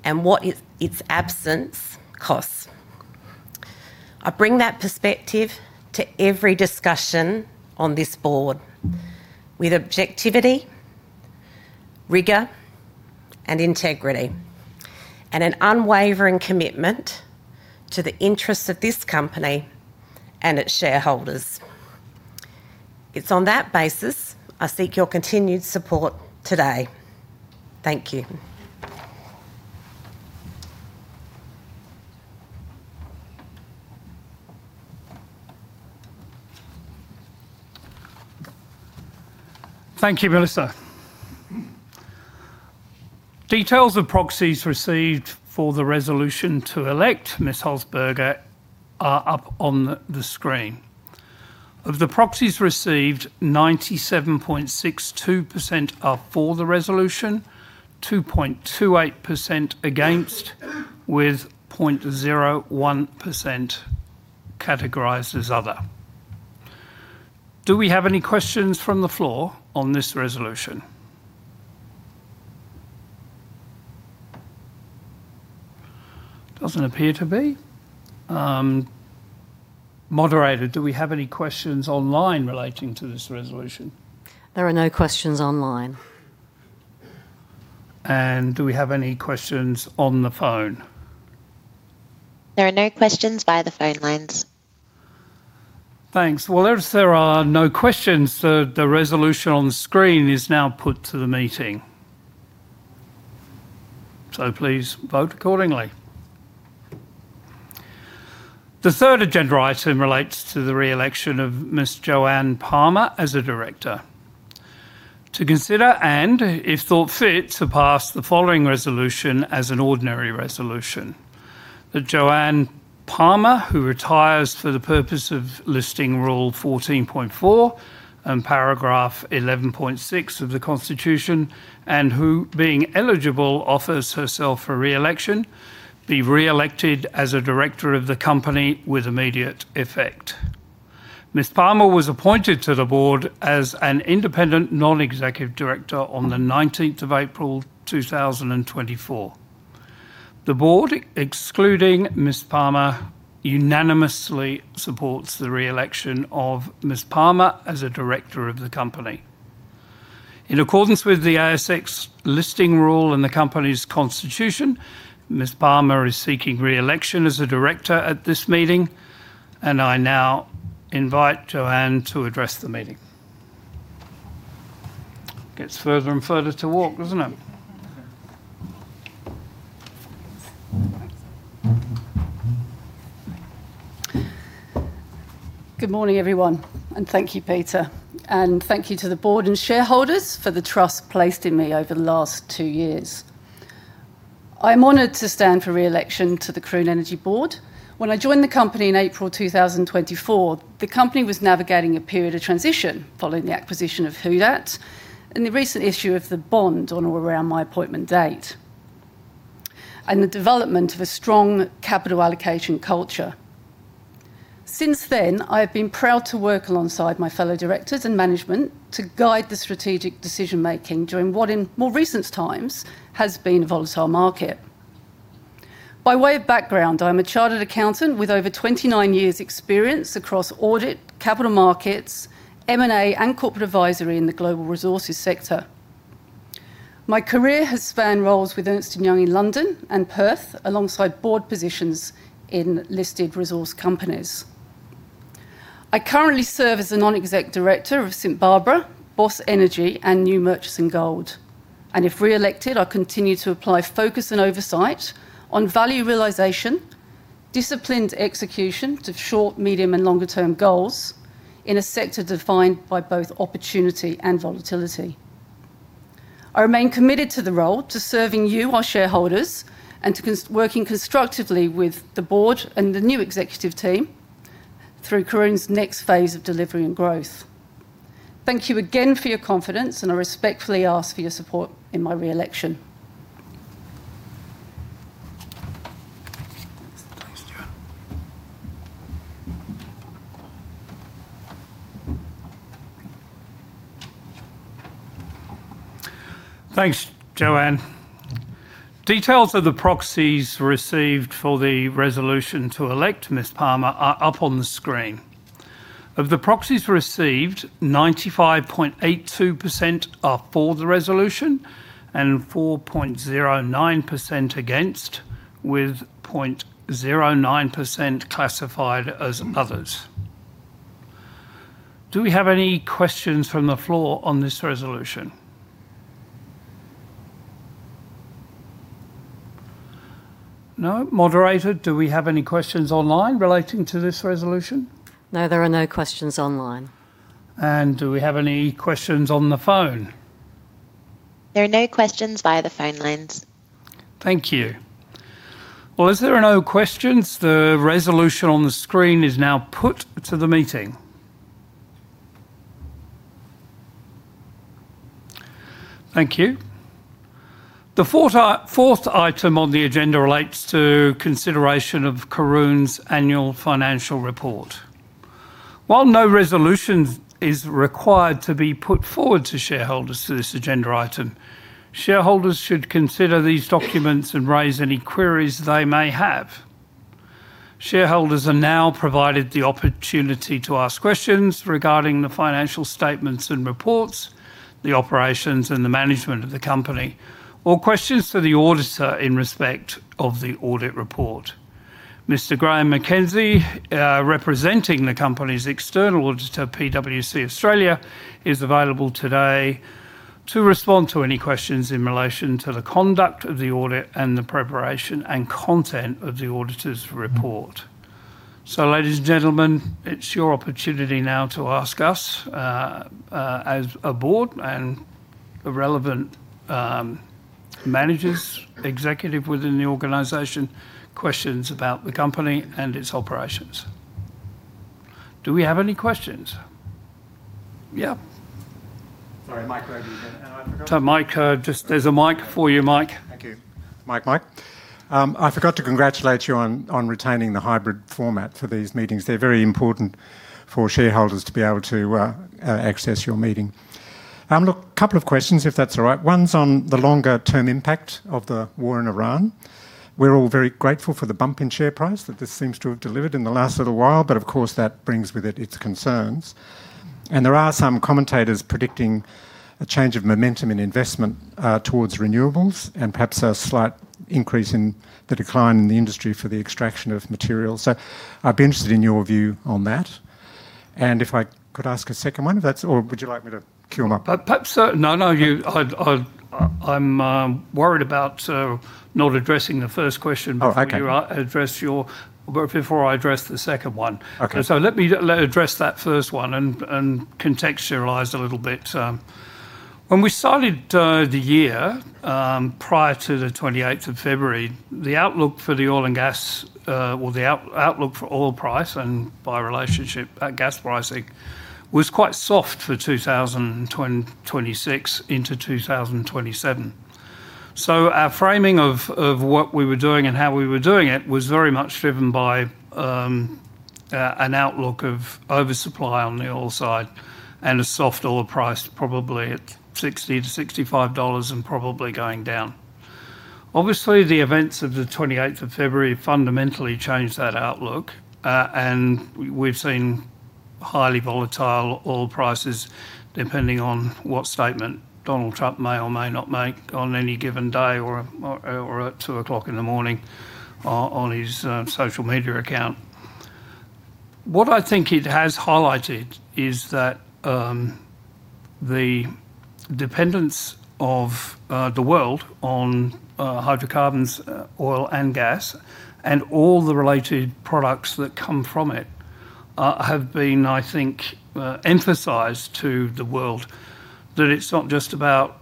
and what its absence costs. I bring that perspective to every discussion on this board with objectivity, rigor, and integrity, and an unwavering commitment to the interests of this company and its shareholders. It's on that basis I seek your continued support today. Thank you. Thank you, Melissa. Details of proxies received for the resolution to elect Ms. Holzberger are up on the screen. Of the proxies received, 97.62% are for the resolution, 2.28% against, with 0.01% categorized as other. Do we have any questions from the floor on this resolution? Doesn't appear to be. Moderator, do we have any questions online relating to this resolution? There are no questions online. Do we have any questions on the phone? There are no questions via the phone lines. Thanks. Well, as there are no questions, the resolution on the screen is now put to the meeting. Please vote accordingly. The third agenda item relates to the re-election of Ms. Joanne Palmer as a director. To consider, and if thought fit, to pass the following resolution as an ordinary resolution. That Joanne Palmer, who retires for the purpose of Listing Rule 14.4 and Paragraph 11.6 of the Constitution, and who being eligible offers herself for re-election, be re-elected as a director of the company with immediate effect. Ms. Palmer was appointed to the board as an independent non-executive director on the 19th of April, 2024. The board, excluding Ms. Palmer, unanimously supports the re-election of Ms. Palmer as a director of the company. In accordance with the ASX Listing Rule and the company's constitution, Ms. Joanne Palmer is seeking re-election as a director at this meeting, and I now invite Joanne to address the meeting. Gets further and further to walk, doesn't it? Good morning, everyone, and thank you, Peter. Thank you to the board and shareholders for the trust placed in me over the last two years. I am honored to stand for re-election to the Karoon Energy board. When I joined the company in April 2024, the company was navigating a period of transition following the acquisition of Who Dat and the recent issue of the bond on or around my appointment date, and the development of a strong capital allocation culture. Since then, I have been proud to work alongside my fellow directors and management to guide the strategic decision-making during what, in more recent times, has been a volatile market. By way of background, I'm a chartered accountant with over 29 years' experience across audit, capital markets, M&A, and corporate advisory in the global resources sector. My career has spanned roles with Ernst & Young in London and Perth, alongside board positions in listed resource companies. I currently serve as a non-exec director of St Barbara, Boss Energy, and New Murchison Gold. If re-elected, I continue to apply focus and oversight on value realization, disciplined execution to short, medium, and longer term goals, in a sector defined by both opportunity and volatility. I remain committed to the role, to serving you, our shareholders, and to working constructively with the board and the new executive team through Karoon's next phase of delivery and growth. Thank you again for your confidence, and I respectfully ask for your support in my re-election. Thanks, Joanne. Details of the proxies received for the resolution to elect Ms. Palmer are up on the screen. Of the proxies received, 95.82% are for the resolution and 4.09% against, with 0.09% classified as others. Do we have any questions from the floor on this resolution? No? Moderator, do we have any questions online relating to this resolution? No, there are no questions online. Do we have any questions on the phone? There are no questions via the phone lines. Thank you. Well, as there are no questions, the resolution on the screen is now put to the meeting. Thank you. The fourth item on the agenda relates to consideration of Karoon's annual financial report. While no resolution is required to be put forward to shareholders for this agenda item, shareholders should consider these documents and raise any queries they may have. Shareholders are now provided the opportunity to ask questions regarding the financial statements and reports, the operations and the management of the company, or questions to the auditor in respect of the audit report. Mr. Graeme McKenzie, representing the company's external auditor, PwC Australia, is available today to respond to any questions in relation to the conduct of the audit and the preparation and content of the auditor's report. Ladies and gentlemen, it's your opportunity now to ask us, as a board and the relevant managers, executive within the organization, questions about the company and its operations. Do we have any questions? Yeah. To Mike, there's a mic for you, Mike. Thank you, Mike. I forgot to congratulate you on retaining the hybrid format for these meetings. They're very important for shareholders to be able to access your meeting. Look, couple of questions, if that's all right. One's on the longer-term impact of the war in Iran. We're all very grateful for the bump in share price that this seems to have delivered in the last little while, but of course that brings with it its concerns. There are some commentators predicting a change of momentum in investment towards renewables and perhaps a slight increase in the decline in the industry for the extraction of materials. I'd be interested in your view on that. If I could ask a second one, or would you like me to queue them up? Perhaps, no. I'm worried about not addressing the first question. Oh, okay. Before I address the second one. Okay. Let me address that first one and contextualize a little bit. When we started the year, prior to the 28th of February, the outlook for the oil and gas, well, the outlook for oil price and by relationship gas pricing, was quite soft for 2026 into 2027. Our framing of what we were doing and how we were doing it was very much driven by an outlook of oversupply on the oil side and a soft oil price, probably at $60-$65 and probably going down. The events of the 28th of February fundamentally changed that outlook, and we've seen highly volatile oil prices depending on what statement Donald Trump may or may not make on any given day or at 2:00 A.M. on his social media account. What I think it has highlighted is that the dependence of the world on hydrocarbons, oil and gas, and all the related products that come from it, have been, I think, emphasized to the world. That it's not just about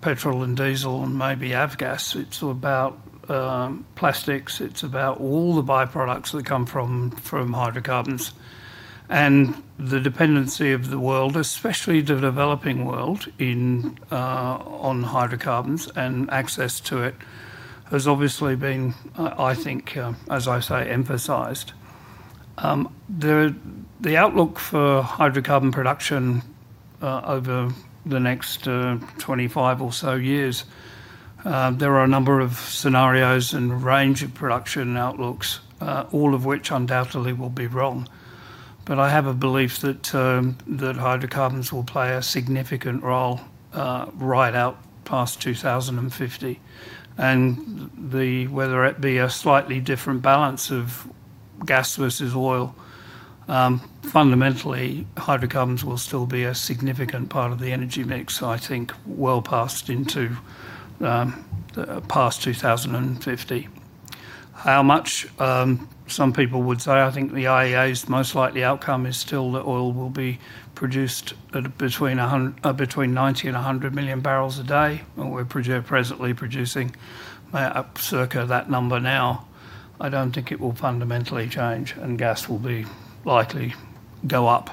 petrol and diesel and maybe Avgas. It's about plastics. It's about all the byproducts that come from hydrocarbons. The dependency of the world, especially the developing world, on hydrocarbons and access to it, has obviously been, I think, as I say, emphasized. The outlook for hydrocarbon production over the next 25 or so years, there are a number of scenarios and range of production outlooks, all of which undoubtedly will be wrong. I have a belief that hydrocarbons will play a significant role right out past 2050. Whether it be a slightly different balance of gas versus oil, fundamentally hydrocarbons will still be a significant part of the energy mix, I think well into past 2050. How much? Some people would say I think the IEA's most likely outcome is still that oil will be produced between 90 and 100 million barrels a day. We're presently producing circa that number now. I don't think it will fundamentally change, and gas will likely go up.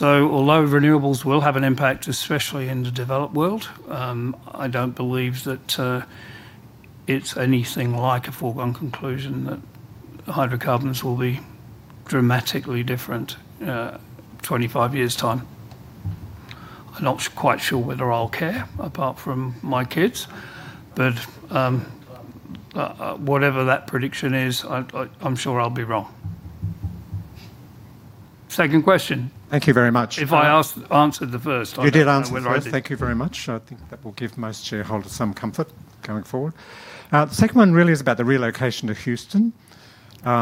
Although renewables will have an impact, especially in the developed world, I don't believe that it's anything like a foregone conclusion that hydrocarbons will be dramatically different in 25 years' time. I'm not quite sure whether I'll care, apart from my kids. Whatever that prediction is, I'm sure I'll be wrong. Second question. Thank you very much. if I answered the first. You did answer the first. I don't know whether I did. Thank you very much. I think that will give most shareholders some comfort going forward. The second one really is about the relocation to Houston.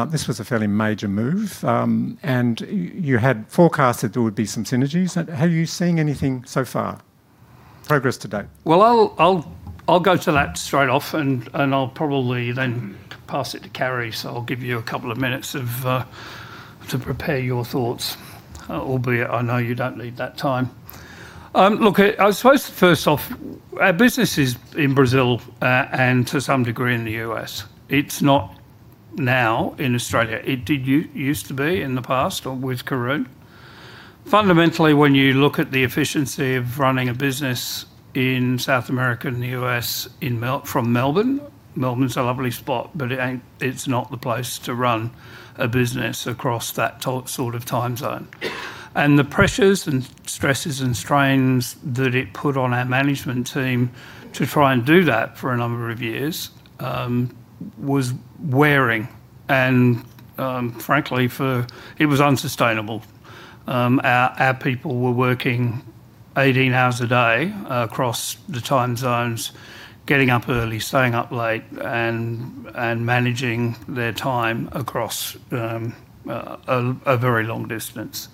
This was a fairly major move, and you had forecasted there would be some synergies. Have you seen anything so far, progress to date? Well, I'll go to that straight off, I'll probably then pass it to Carri, I'll give you a couple of minutes to prepare your thoughts, albeit I know you don't need that time. Look, I suppose first off, our business is in Brazil, to some degree, in the U.S. It's not now in Australia. It used to be in the past with Karoon. Fundamentally, when you look at the efficiency of running a business in South America and the U.S. from Melbourne's a lovely spot, it's not the place to run a business across that sort of time zone. The pressures and stresses and strains that it put on our management team to try and do that for a number of years, was wearing. Frankly, it was unsustainable. Our people were working 18 hours a day across the time zones, getting up early, staying up late, and managing their time across a very long distance.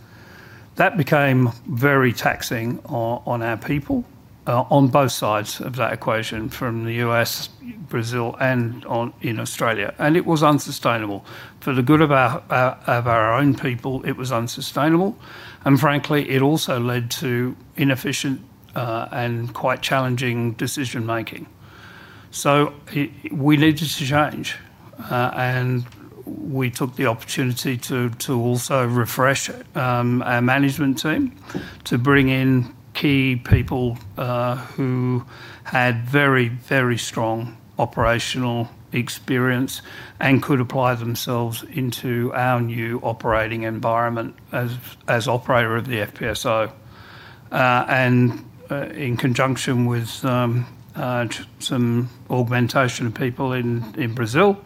That became very taxing on our people, on both sides of that equation, from the U.S., Brazil, and in Australia. It was unsustainable. For the good of our own people, it was unsustainable, and frankly, it also led to inefficient and quite challenging decision-making. We needed to change. We took the opportunity to also refresh our management team, to bring in key people who had very, very strong operational experience and could apply themselves into our new operating environment as operator of the FPSO. In conjunction with some augmentation of people in Brazil,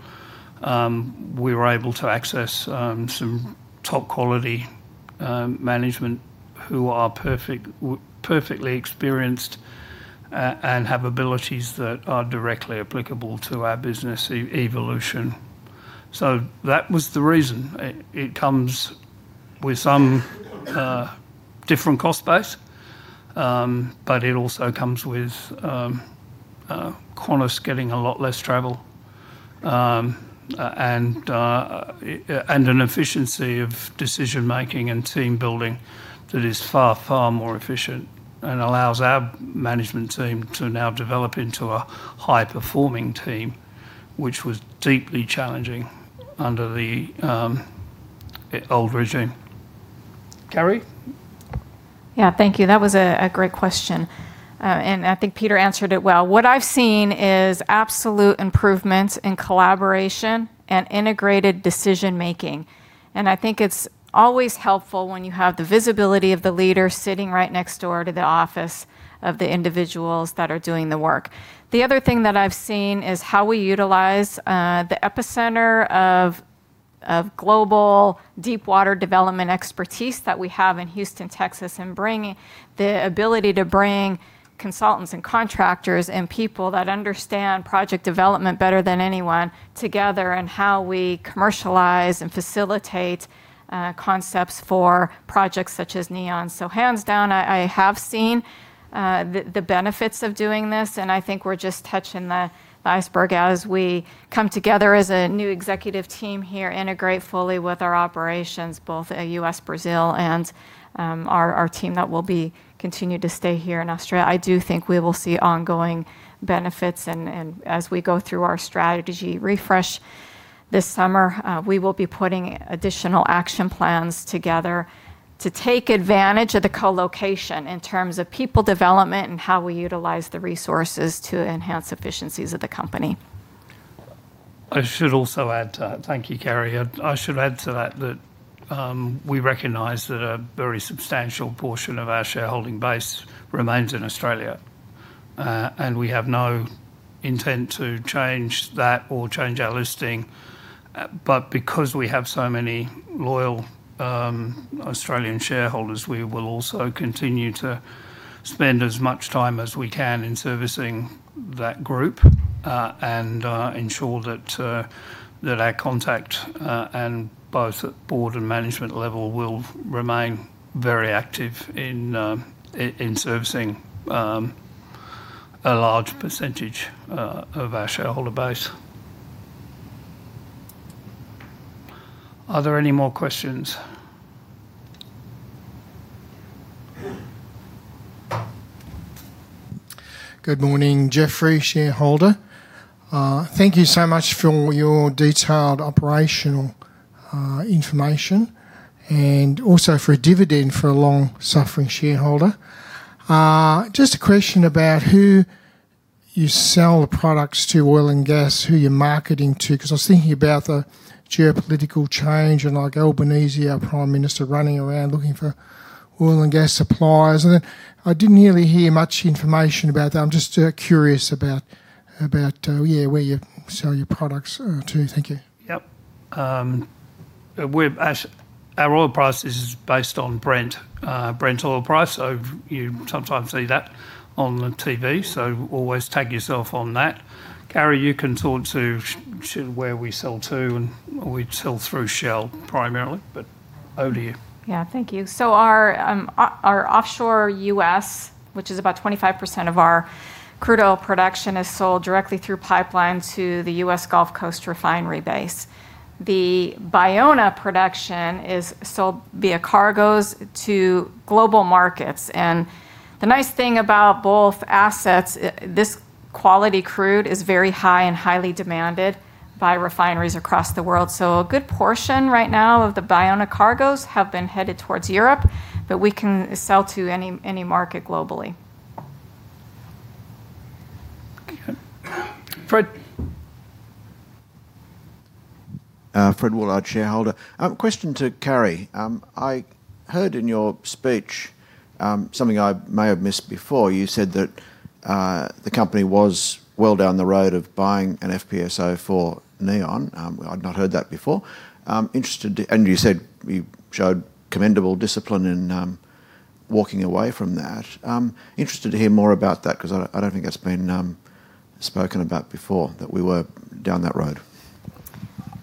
we were able to access some top-quality management who are perfectly experienced and have abilities that are directly applicable to our business evolution. That was the reason. It comes with some different cost base, but it also comes with Qantas getting a lot less travel, and an efficiency of decision-making and team building that is far, far more efficient and allows our management team to now develop into a high-performing team, which was deeply challenging under the old regime. Carri? Yeah, thank you. That was a great question. I think Peter Botten answered it well what I have seen is absolute improvement and collaboration and integrated decision making. I think it's always helpful when you have the visibility of the leader sitting right next door to the office of the individuals that are doing the work. The other thing that I've seen is how we utilize the epicenter of global deep-water development expertise that we have in Houston, Texas, and the ability to bring consultants and contractors and people that understand project development better than anyone together, and how we commercialize and facilitate concepts for projects such as Neon. Hands down, I have seen the benefits of doing this, and I think we're just touching the iceberg as we come together as a new executive team here, integrate fully with our operations, both at U.S., Brazil, and our team that will continue to stay here in Australia. I do think we will see ongoing benefits, and as we go through our strategy refresh this summer, we will be putting additional action plans together to take advantage of the co-location in terms of people development and how we utilize the resources to enhance efficiencies of the company. Thank you, Carri. I should add to that that we recognize that a very substantial portion of our shareholding base remains in Australia, and we have no intent to change that or change our listing. Because we have so many loyal Australian shareholders, we will also continue to spend as much time as we can in servicing that group, and ensure that our contact both at board and management level will remain very active in servicing a large percentage of our shareholder base. Are there any more questions? Good morning. Jeffrey, shareholder. Thank you so much for your detailed operational information and also for a dividend for a long-suffering shareholder. Just a question about who you sell the products to, oil and gas, who you're marketing to, because I was thinking about the geopolitical change and Albanese, our prime minister, running around looking for oil and gas suppliers, and I didn't really hear much information about that. I'm just curious about where you sell your products to. Thank you. Yep. Our oil price is based on Brent oil price. You sometimes see that on the TV. Always tag yourself on that. Carri, you can talk to where we sell to. We sell through Shell primarily, but over to you. Thank you. Our offshore U.S., which is about 25% of our crude oil production, is sold directly through pipeline to the U.S. Gulf Coast refinery base. The Baúna production is sold via cargoes to global markets. The nice thing about both assets, this quality crude is very high and highly demanded by refineries across the world. A good portion right now of the Baúna cargoes have been headed towards Europe, but we can sell to any market globally. Fred. Fred Woollard, shareholder. I Heard in your speech something I may have missed before. You said that the company was well down the road of buying an FPSO for Neon. I'd not heard that before. You said we showed commendable discipline in walking away from that. I'm interested to hear more about that because I don't think that's been spoken about before, that we were down that road.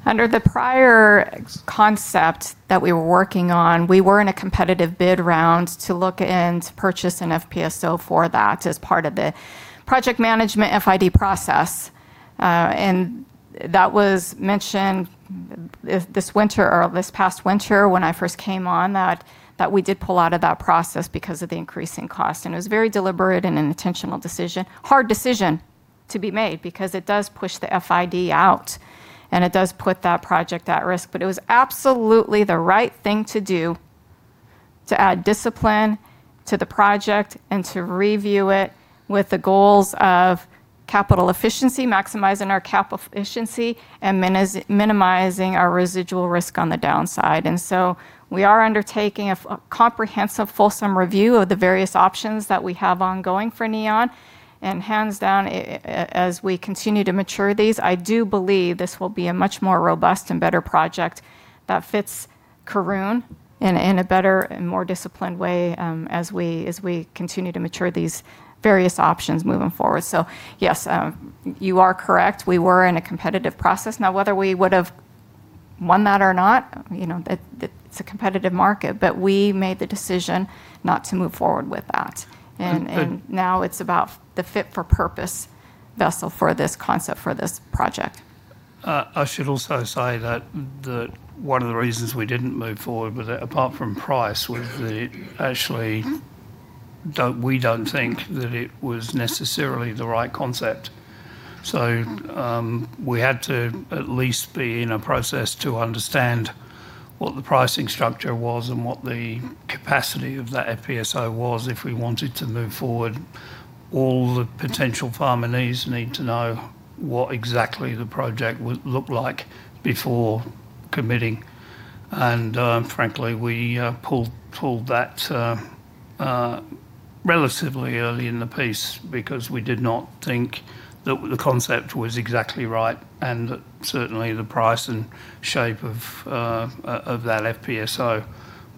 Under the prior concept that we were working on, we were in a competitive bid round to look to purchase an FPSO for that as part of the project management FID process. That was mentioned this past winter when I first came on, that we did pull out of that process because of the increasing cost. It was a very deliberate and intentional decision, hard decision to be made, because it does push the FID out, and it does put that project at risk. It was absolutely the right thing to do to add discipline to the project and to review it with the goals of capital efficiency, maximizing our capital efficiency, and minimizing our residual risk on the downside. We are undertaking a comprehensive, fulsome review of the various options that we have ongoing for Neon. Hands down, as we continue to mature these, I do believe this will be a much more robust and better project that fits Karoon in a better and more disciplined way as we continue to mature these various options moving forward. Yes, you are correct. We were in a competitive process. Whether we would have won that or not, it's a competitive market, but we made the decision not to move forward with that. Now it's about the fit for purpose vessel for this concept for this project. I should also say that one of the reasons we didn't move forward with it, apart from price, was that actually we don't think that it was necessarily the right concept. We had to at least be in a process to understand what the pricing structure was and what the capacity of that FPSO was if we wanted to move forward. All the potential farminees need to know what exactly the project would look like before committing. Frankly, we pulled that relatively early in the piece because we did not think that the concept was exactly right and that certainly the price and shape of that FPSO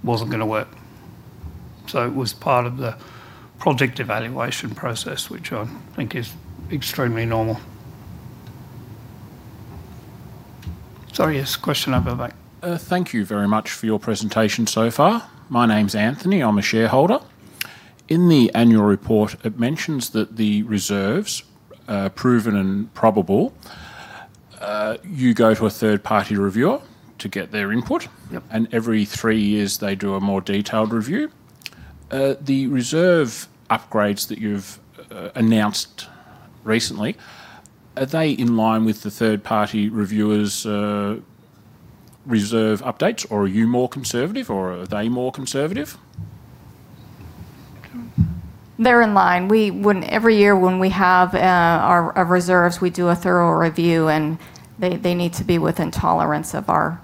wasn't going to work. It was part of the project evaluation process, which I think is extremely normal. Sorry, yes, question over back. Thank you very much for your presentation so far. My name's Anthony. I'm a shareholder. In the annual report, it mentions that the reserves, proven and probable, you go to a third-party reviewer to get their input. Yep. Every three years they do a more detailed review. The reserve upgrades that you've announced recently, are they in line with the third-party reviewer's reserve updates, or are you more conservative, or are they more conservative? They're in line. Every year when we have our reserves, we do a thorough review, they need to be within tolerance of our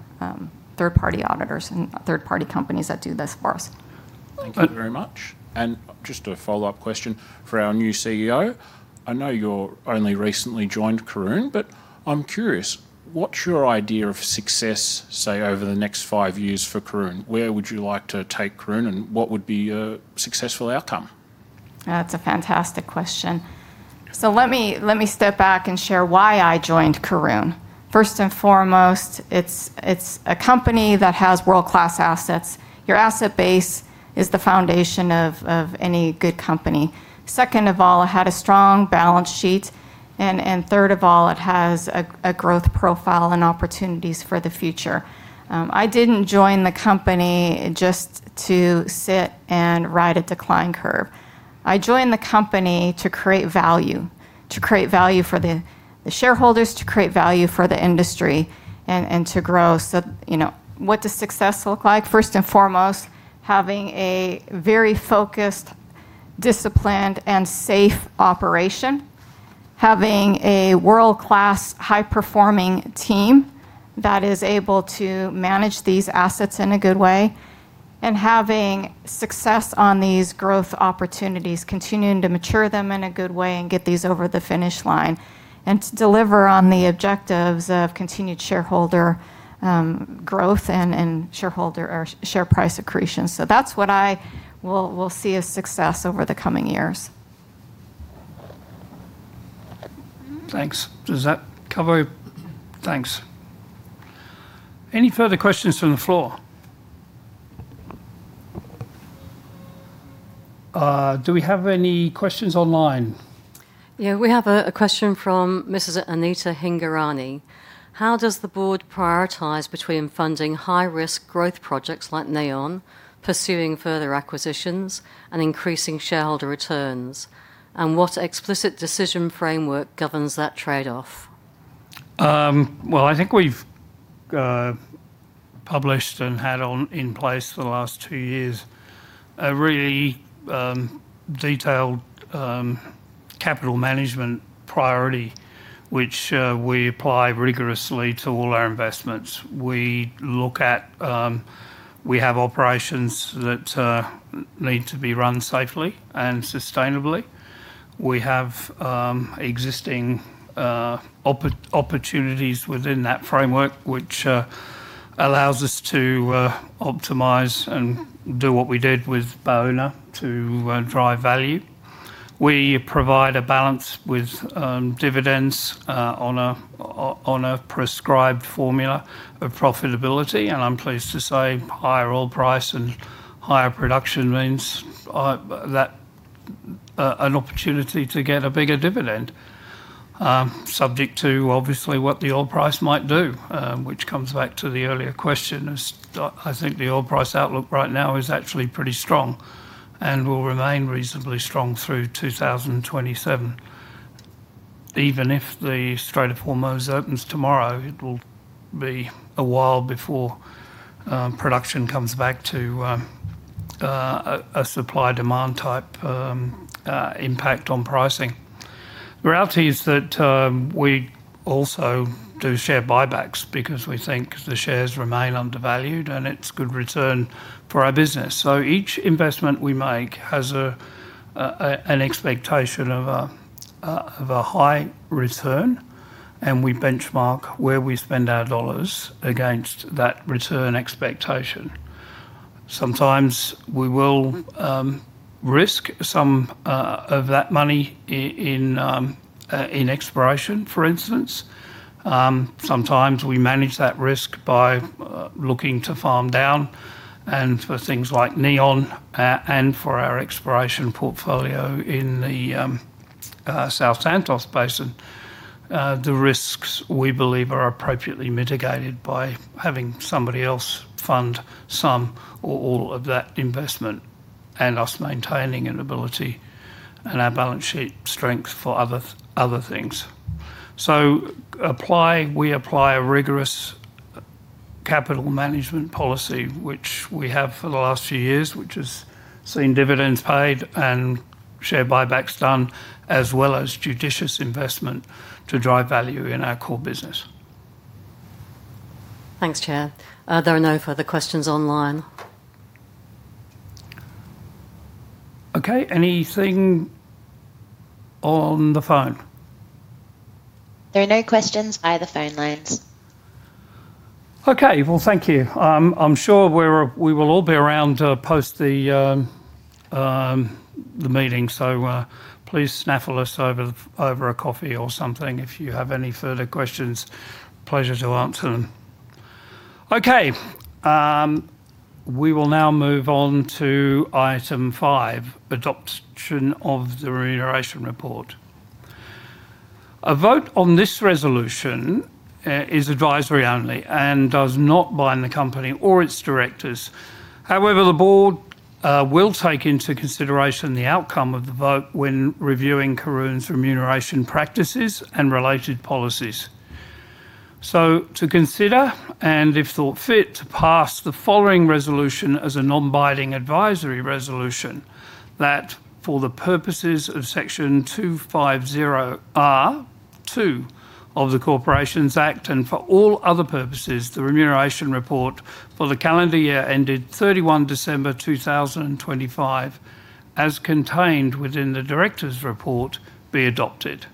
third-party auditors and third-party companies that do this for us. Thank you. Thank you very much. Just a follow-up question for our new CEO. I know you only recently joined Karoon, but I'm curious, what's your idea of success, say, over the next five years for Karoon? Where would you like to take Karoon, and what would be a successful outcome? That's a fantastic question. Let me step back and share why I joined Karoon. First and foremost, it's a company that has world-class assets. Your asset base is the foundation of any good company. Second of all, it had a strong balance sheet. Third of all, it has a growth profile and opportunities for the future. I didn't join the company just to sit and ride a decline curve. I joined the company to create value, to create value for the shareholders, to create value for the industry, and to grow. What does success look like? First and foremost, having a very focused, disciplined, and safe operation, having a world-class, high-performing team that is able to manage these assets in a good way, and having success on these growth opportunities, continuing to mature them in a good way and get these over the finish line, and to deliver on the objectives of continued shareholder growth and shareholder share price accretion. That's what I will see as success over the coming years. Thanks. Does that cover it? Thanks. Any further questions from the floor? Do we have any questions online? Yeah, we have a question from Mrs. Anita Hingorani. How does the board prioritize between funding high-risk growth projects like Neon, pursuing further acquisitions, and increasing shareholder returns? What explicit decision framework governs that trade-off? Well, I think we've published and had in place for the last two years, a really detailed capital management priority which we apply rigorously to all our investments. We have operations that need to be run safely and sustainably. We have existing opportunities within that framework which allows us to optimize and do what we did with Baúna to drive value. We provide a balance with dividends on a prescribed formula of profitability, and I'm pleased to say higher oil price and higher production means an opportunity to get a bigger dividend. Subject to, obviously, what the oil price might do, which comes back to the earlier question. I think the oil price outlook right now is actually pretty strong and will remain reasonably strong through 2027. Even if the Strait of Hormuz opens tomorrow, it will be a while before production comes back to a supply/demand type impact on pricing. The reality is that we also do share buybacks because we think the shares remain undervalued and it's good return for our business. Each investment we make has an expectation of a high return, and we benchmark where we spend our AUD against that return expectation. Sometimes we will risk some of that money in exploration, for instance. Sometimes we manage that risk by looking to farm down and for things like Neon, and for our exploration portfolio in the South Santos Basin. The risks, we believe, are appropriately mitigated by having somebody else fund some or all of that investment and us maintaining an ability and our balance sheet strength for other things. We apply a rigorous capital management policy, which we have for the last few years, which has seen dividends paid and share buybacks done as well as judicious investment to drive value in our core business. Thanks, Chair. There are no further questions online. Okay. Anything on the phone? There are no questions via the phone lines. Okay. Well, thank you. I'm sure we will all be around post the meeting, so please snaffle us over a coffee or something if you have any further questions. Pleasure to answer them. We will now move on to item five, adoption of the remuneration report. A vote on this resolution is advisory only and does not bind the company or its directors. However, the board will take into consideration the outcome of the vote when reviewing Karoon's remuneration practices and related policies. To consider, and if thought fit, pass the following resolution as a non-binding advisory resolution that, for the purposes of Section 250R(2) of the Corporations Act, and for all other purposes, the remuneration report for the calendar year ended 31 December 2025, as contained within the directors' report, be adopted.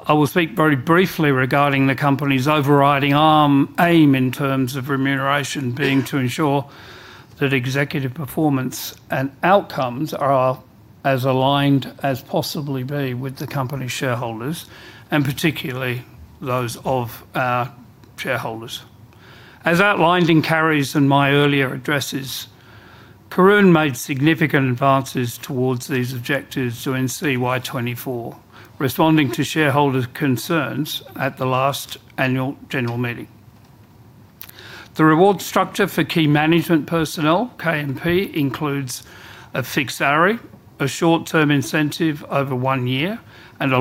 I will speak very briefly regarding the company's overriding aim in terms of remuneration being to ensure that executive performance and outcomes are as aligned as possibly be with the company shareholders, and particularly those of our shareholders. As outlined in Carri's and my earlier addresses, Karoon made significant advances towards these objectives during CY 2024, responding to shareholder concerns at the last annual general meeting. The reward structure for key management personnel, KMP, includes a fixed salary, a short-term incentive over one year, and a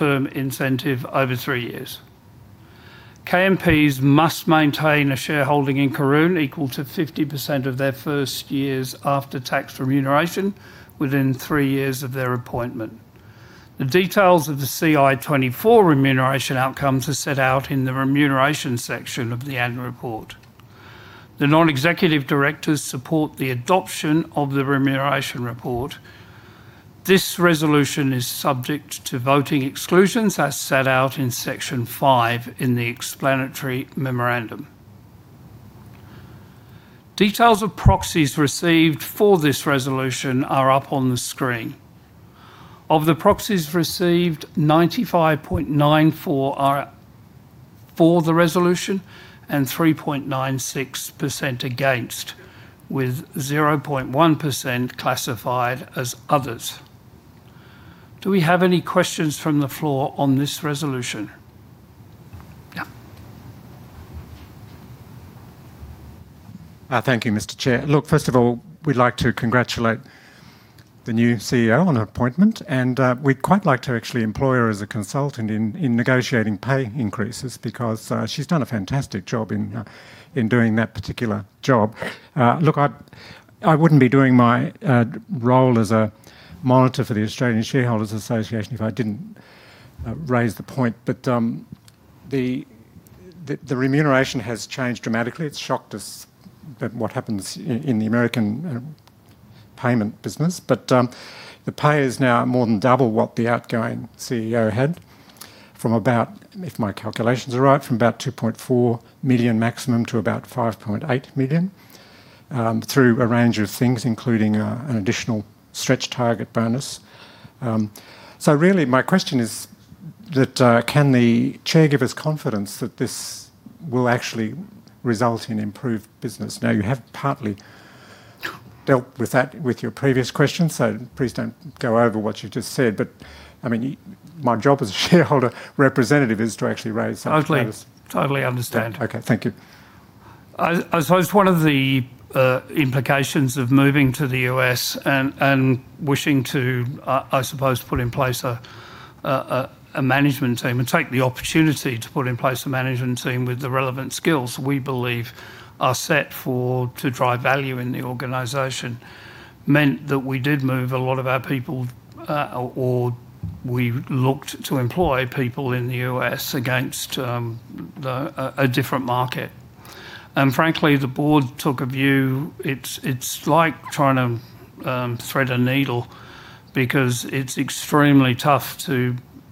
long-term incentive over three years. KMPs must maintain a shareholding in Karoon equal to 50% of their first year's after-tax remuneration within three years of their appointment. The details of the CY 2024 remuneration outcomes are set out in the Remuneration section of the annual report. The non-executive directors support the adoption of the Remuneration Report. This resolution is subject to voting exclusions as set out in Section 5 in the explanatory memorandum. Details of proxies received for this resolution are up on the screen. Of the proxies received, 95.94% are for the resolution and 3.96% against, with 0.1% classified as Others. Do we have any questions from the floor on this resolution? Yeah. Thank you, Mr. Chair. Look, first of all, we'd like to congratulate the new CEO on her appointment, and we'd quite like to actually employ her as a consultant in negotiating pay increases because she's done a fantastic job in doing that particular job. Look, I wouldn't be doing my role as a monitor for the Australian Shareholders' Association if I didn't raise the point, but the remuneration has changed dramatically. It's shocked us by what happens in the American payment business. The pay is now more than double what the outgoing CEO had, if my calculations are right, from about 2.4 million maximum to about 5.8 million, through a range of things, including an additional stretch target bonus. Really, my question is that can the Chair give us confidence that this will actually result in improved business? You have partly dealt with that with your previous question, so please don't go over what you've just said. My job as a shareholder representative is to actually raise those matters. Totally understand. Okay, thank you. I suppose one of the implications of moving to the U.S. and wishing to, I suppose, put in place a management team, and take the opportunity to put in place a management team with the relevant skills we believe are set for to drive value in the organization, meant that we did move a lot of our people, or we looked to employ people in the U.S. against a different market. Frankly, the board took a view, it's like trying to thread a needle because it's extremely tough,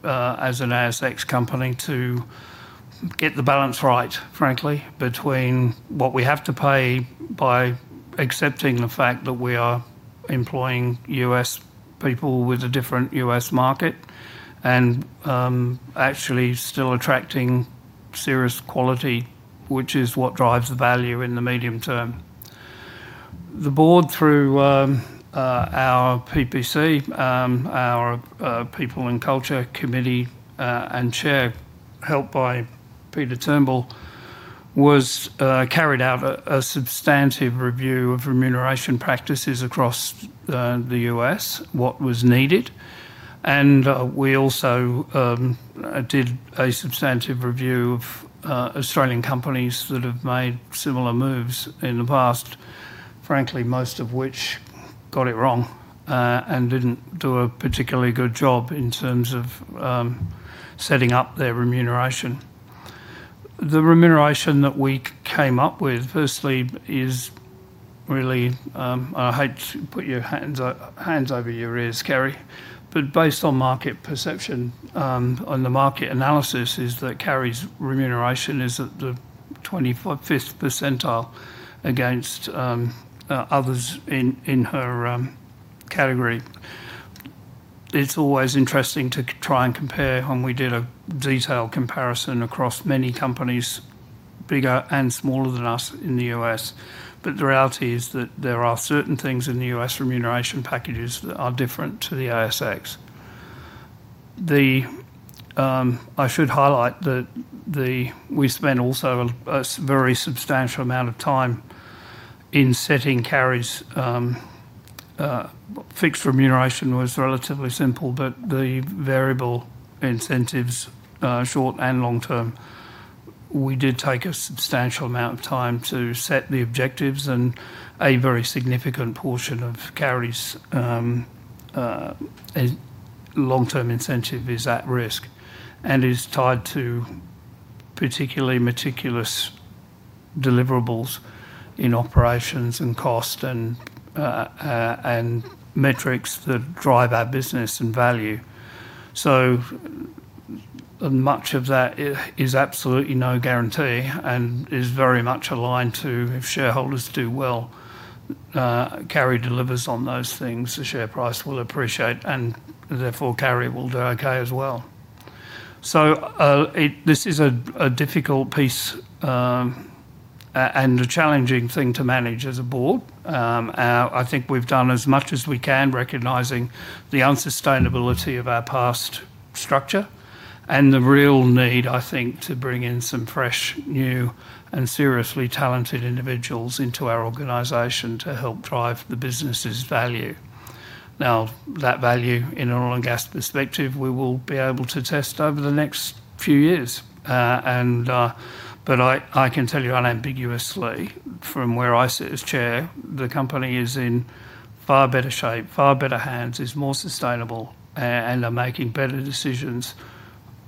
as an ASX company, to get the balance right, frankly, between what we have to pay by accepting the fact that we are employing U.S. people with a different U.S. market, and actually still attracting serious quality, which is what drives the value in the medium term. The board, through our PPC, our People and Culture Committee, and chair, helped by Peter Turnbull, carried out a substantive review of remuneration practices across the U.S., what was needed. We also did a substantive review of Australian companies that have made similar moves in the past. Frankly, most of which got it wrong, and didn't do a particularly good job in terms of setting up their remuneration. The remuneration that we came up with, firstly, is really, I hate to put your hands over your ears, Carri, but based on market perception, on the market analysis, is that Carri's remuneration is at the 25th percentile against others in her category. It's always interesting to try and compare, and we did a detailed comparison across many companies, bigger and smaller than us in the U.S. The reality is that there are certain things in the U.S. remuneration packages that are different to the ASX. I should highlight that we spent also a very substantial amount of time in setting Carri's fixed remuneration was relatively simple, but the variable incentives, short and long-term, we did take a substantial amount of time to set the objectives, and a very significant portion of Carri's long-term incentive is at risk, and is tied to particularly meticulous deliverables in operations and cost, and metrics that drive our business and value. Much of that is absolutely no guarantee and is very much aligned to if shareholders do well, Carri delivers on those things, the share price will appreciate, and therefore Carri will do okay as well. This is a difficult piece, and a challenging thing to manage as a board. I think we've done as much as we can, recognizing the unsustainability of our past structure and the real need, I think, to bring in some fresh, new, and seriously talented individuals into our organization to help drive the business' value. Now, that value in an oil and gas perspective, we will be able to test over the next few years. I can tell you unambiguously from where I sit as chair, the company is in far better shape, far better hands, is more sustainable, and are making better decisions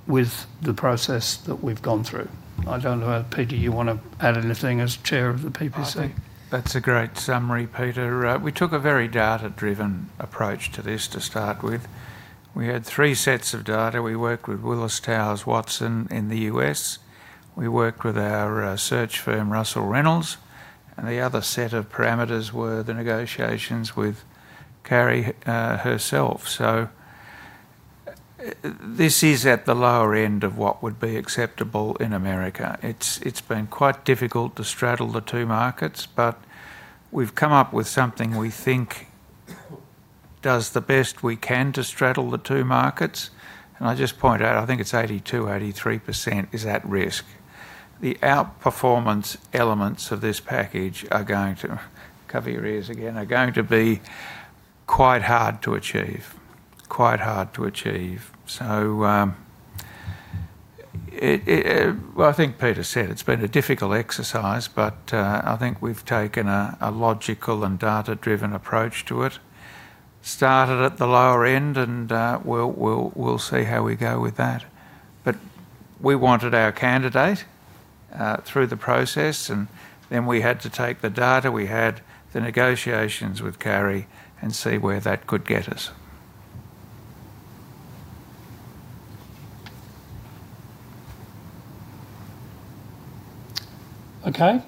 with the process that we've gone through. I don't know, Pete, you want to add anything as Chair of the PPC? I think that's a great summary, Peter. We took a very data-driven approach to this to start with. We had three sets of data. We worked with Willis Towers Watson in the U.S. We worked with our search firm, Russell Reynolds, and the other set of parameters were the negotiations with Carri herself. This is at the lower end of what would be acceptable in the U.S. It's been quite difficult to straddle the two markets, but we've come up with something we think does the best we can to straddle the two markets. I just point out, I think it's 82%, 83% is at risk. The out-performance elements of this package, cover your ears again, are going to be quite hard to achieve. I think Peter said it's been a difficult exercise, but I think we've taken a logical and data-driven approach to it. Started at the lower end and we'll see how we go with that. We wanted our candidate through the process, and then we had to take the data, we had the negotiations with Carri and see where that could get us. Okay.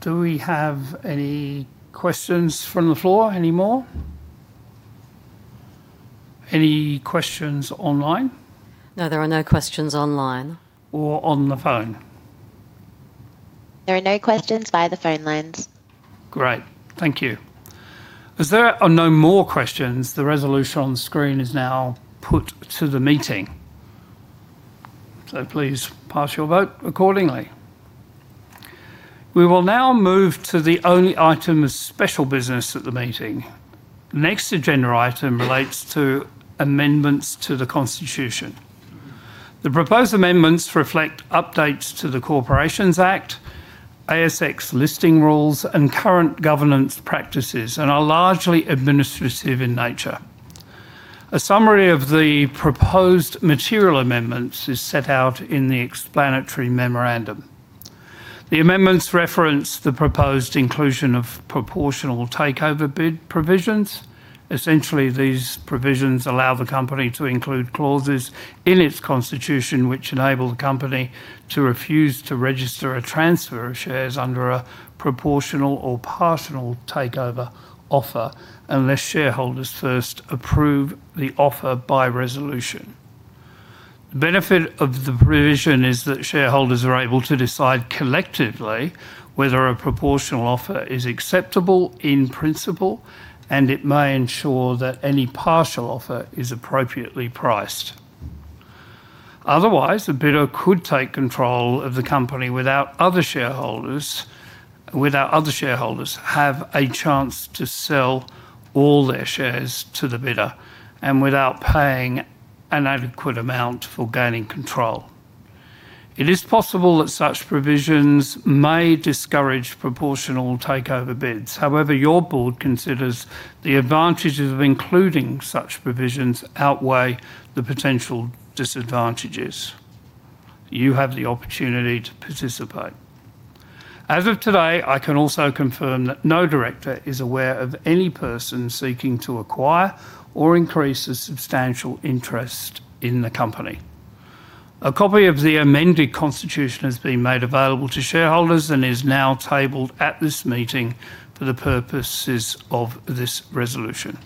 Do we have any questions from the floor anymore? Any questions online? No, there are no questions online. On the phone? There are no questions via the phone lines. Great. Thank you. As there are no more questions, the resolution on screen is now put to the meeting. Please pass your vote accordingly. We will now move to the only item of special business at the meeting. The next agenda item relates to amendments to the constitution. The proposed amendments reflect updates to the Corporations Act, ASX Listing Rules, and current governance practices, and are largely administrative in nature. A summary of the proposed material amendments is set out in the explanatory memorandum. The amendments reference the proposed inclusion of proportional takeover bid provisions. Essentially, these provisions allow the company to include clauses in its constitution which enable the company to refuse to register a transfer of shares under a proportional or partial takeover offer, unless shareholders first approve the offer by resolution. The benefit of the provision is that shareholders are able to decide collectively whether a proportional offer is acceptable in principle, and it may ensure that any partial offer is appropriately priced. Otherwise, a bidder could take control of the company without other shareholders have a chance to sell all their shares to the bidder, and without paying an adequate amount for gaining control. It is possible that such provisions may discourage proportional takeover bids. Your board considers the advantages of including such provisions outweigh the potential disadvantages. You have the opportunity to participate. As of today, I can also confirm that no director is aware of any person seeking to acquire or increase a substantial interest in the company. A copy of the amended constitution has been made available to shareholders and is now tabled at this meeting for the purposes of this resolution.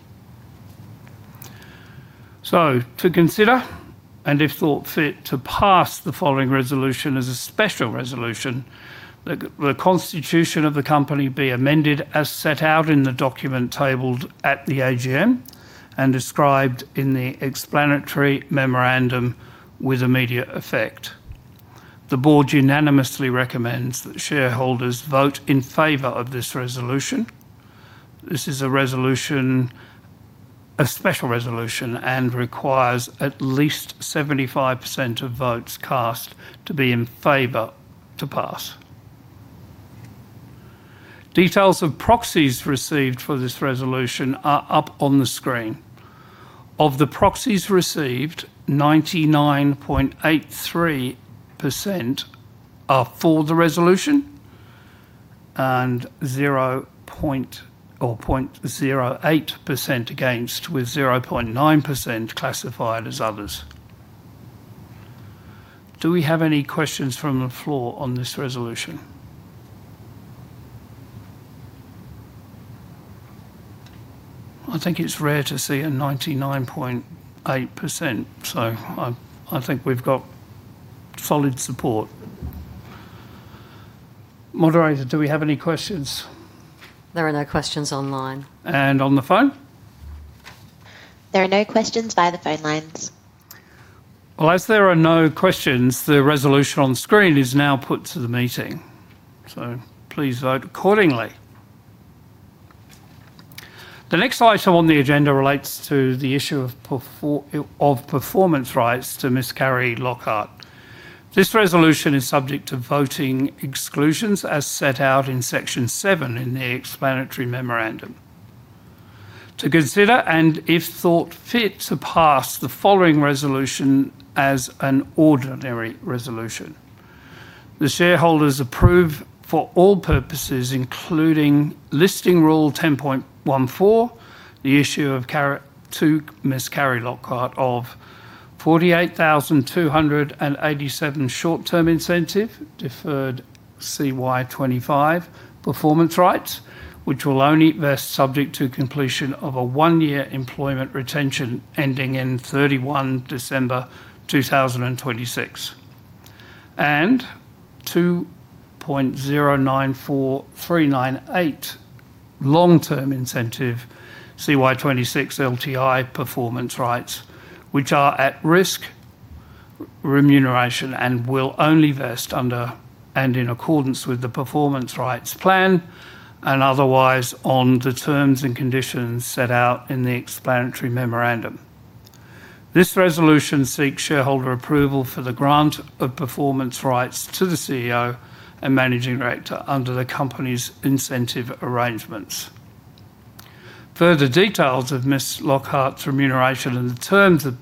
To consider, and if thought fit, to pass the following resolution as a special resolution, that the constitution of the company be amended as set out in the document tabled at the AGM and described in the explanatory memorandum with immediate effect. The board unanimously recommends that shareholders vote in favor of this resolution. This is a special resolution and requires at least 75% of votes cast to be in favor to pass. Details of proxies received for this resolution are up on the screen. Of the proxies received, 99.83% are for the resolution and 0.08% against, with 0.9% classified as others. Do we have any questions from the floor on this resolution? I think it's rare to see a 99.8%. I think we've got solid support. Moderator, do we have any questions? There are no questions online. On the phone? There are no questions via the phone lines. Well, as there are no questions, the resolution on screen is now put to the meeting, so please vote accordingly. The next item on the agenda relates to the issue of performance rights to Ms. Carri Lockhart. This resolution is subject to voting exclusions as set out in Section 7 in the explanatory memorandum. To consider, and if thought fit, to pass the following resolution as an ordinary resolution. The shareholders approve for all purposes, including Listing Rule 10.14, the issue to Ms. Carri Lockhart of 48,287 short-term incentive deferred CY 2025 performance rights, which will only vest subject to completion of a one-year employment retention ending in 31 December 2026, and 2.094398 long-term incentive CY 2026 LTI performance rights, which are at-risk remuneration and will only vest under and in accordance with the performance rights plan, and otherwise on the terms and conditions set out in the explanatory memorandum. This resolution seeks shareholder approval for the grant of performance rights to the CEO and Managing Director under the company's incentive arrangements. Further details of Ms. Lockhart's remuneration and the terms of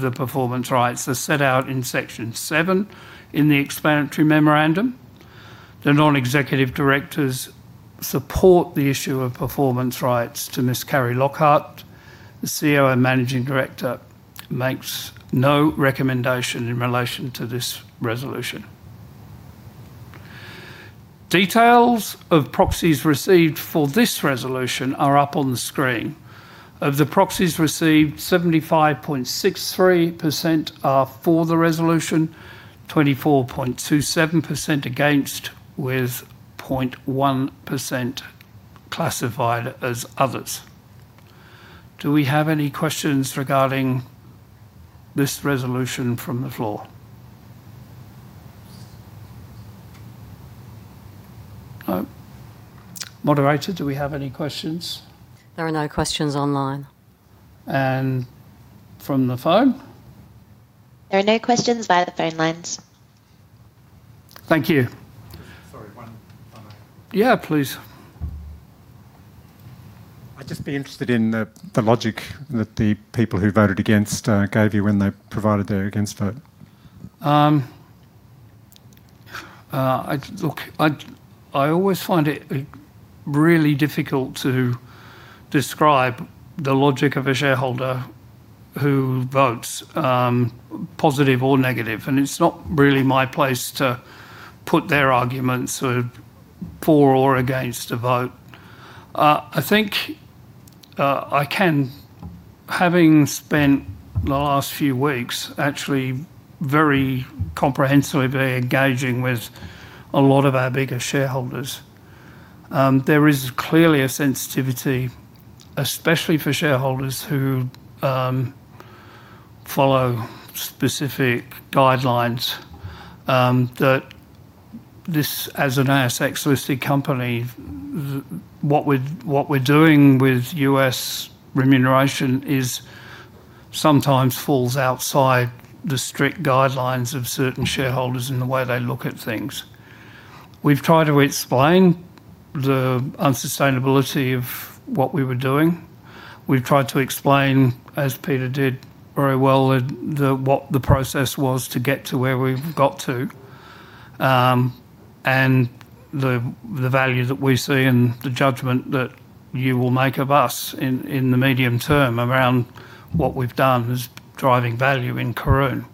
the performance rights are set out in Section 7 in the explanatory memorandum. The non-executive directors support the issue of performance rights to Ms. Carri Lockhart. The CEO and Managing Director makes no recommendation in relation to this resolution. Details of proxies received for this resolution are up on the screen. Of the proxies received, 75.63% are for the resolution, 24.27% against, with 0.1% classified as others. Do we have any questions regarding this resolution from the floor? No. Moderator, do we have any questions? There are no questions online. From the phone? There are no questions via the phone lines. Thank you. Sorry, one final- Yeah, please. I'd just be interested in the logic that the people who voted against gave you when they provided their against vote? Look, I always find it really difficult to describe the logic of a shareholder who votes, positive or negative. It's not really my place to put their arguments for or against a vote. I think I can, having spent the last few weeks actually very comprehensively engaging with a lot of our bigger shareholders, there is clearly a sensitivity, especially for shareholders who follow specific guidelines, that this, as an ASX-listed company, what we're doing with U.S. remuneration sometimes falls outside the strict guidelines of certain shareholders in the way they look at things. We've tried to explain the unsustainability of what we were doing. We've tried to explain, as Peter did very well, what the process was to get to where we've got to. The value that we see and the judgment that you will make of us in the medium term around what we've done is driving value in Karoon.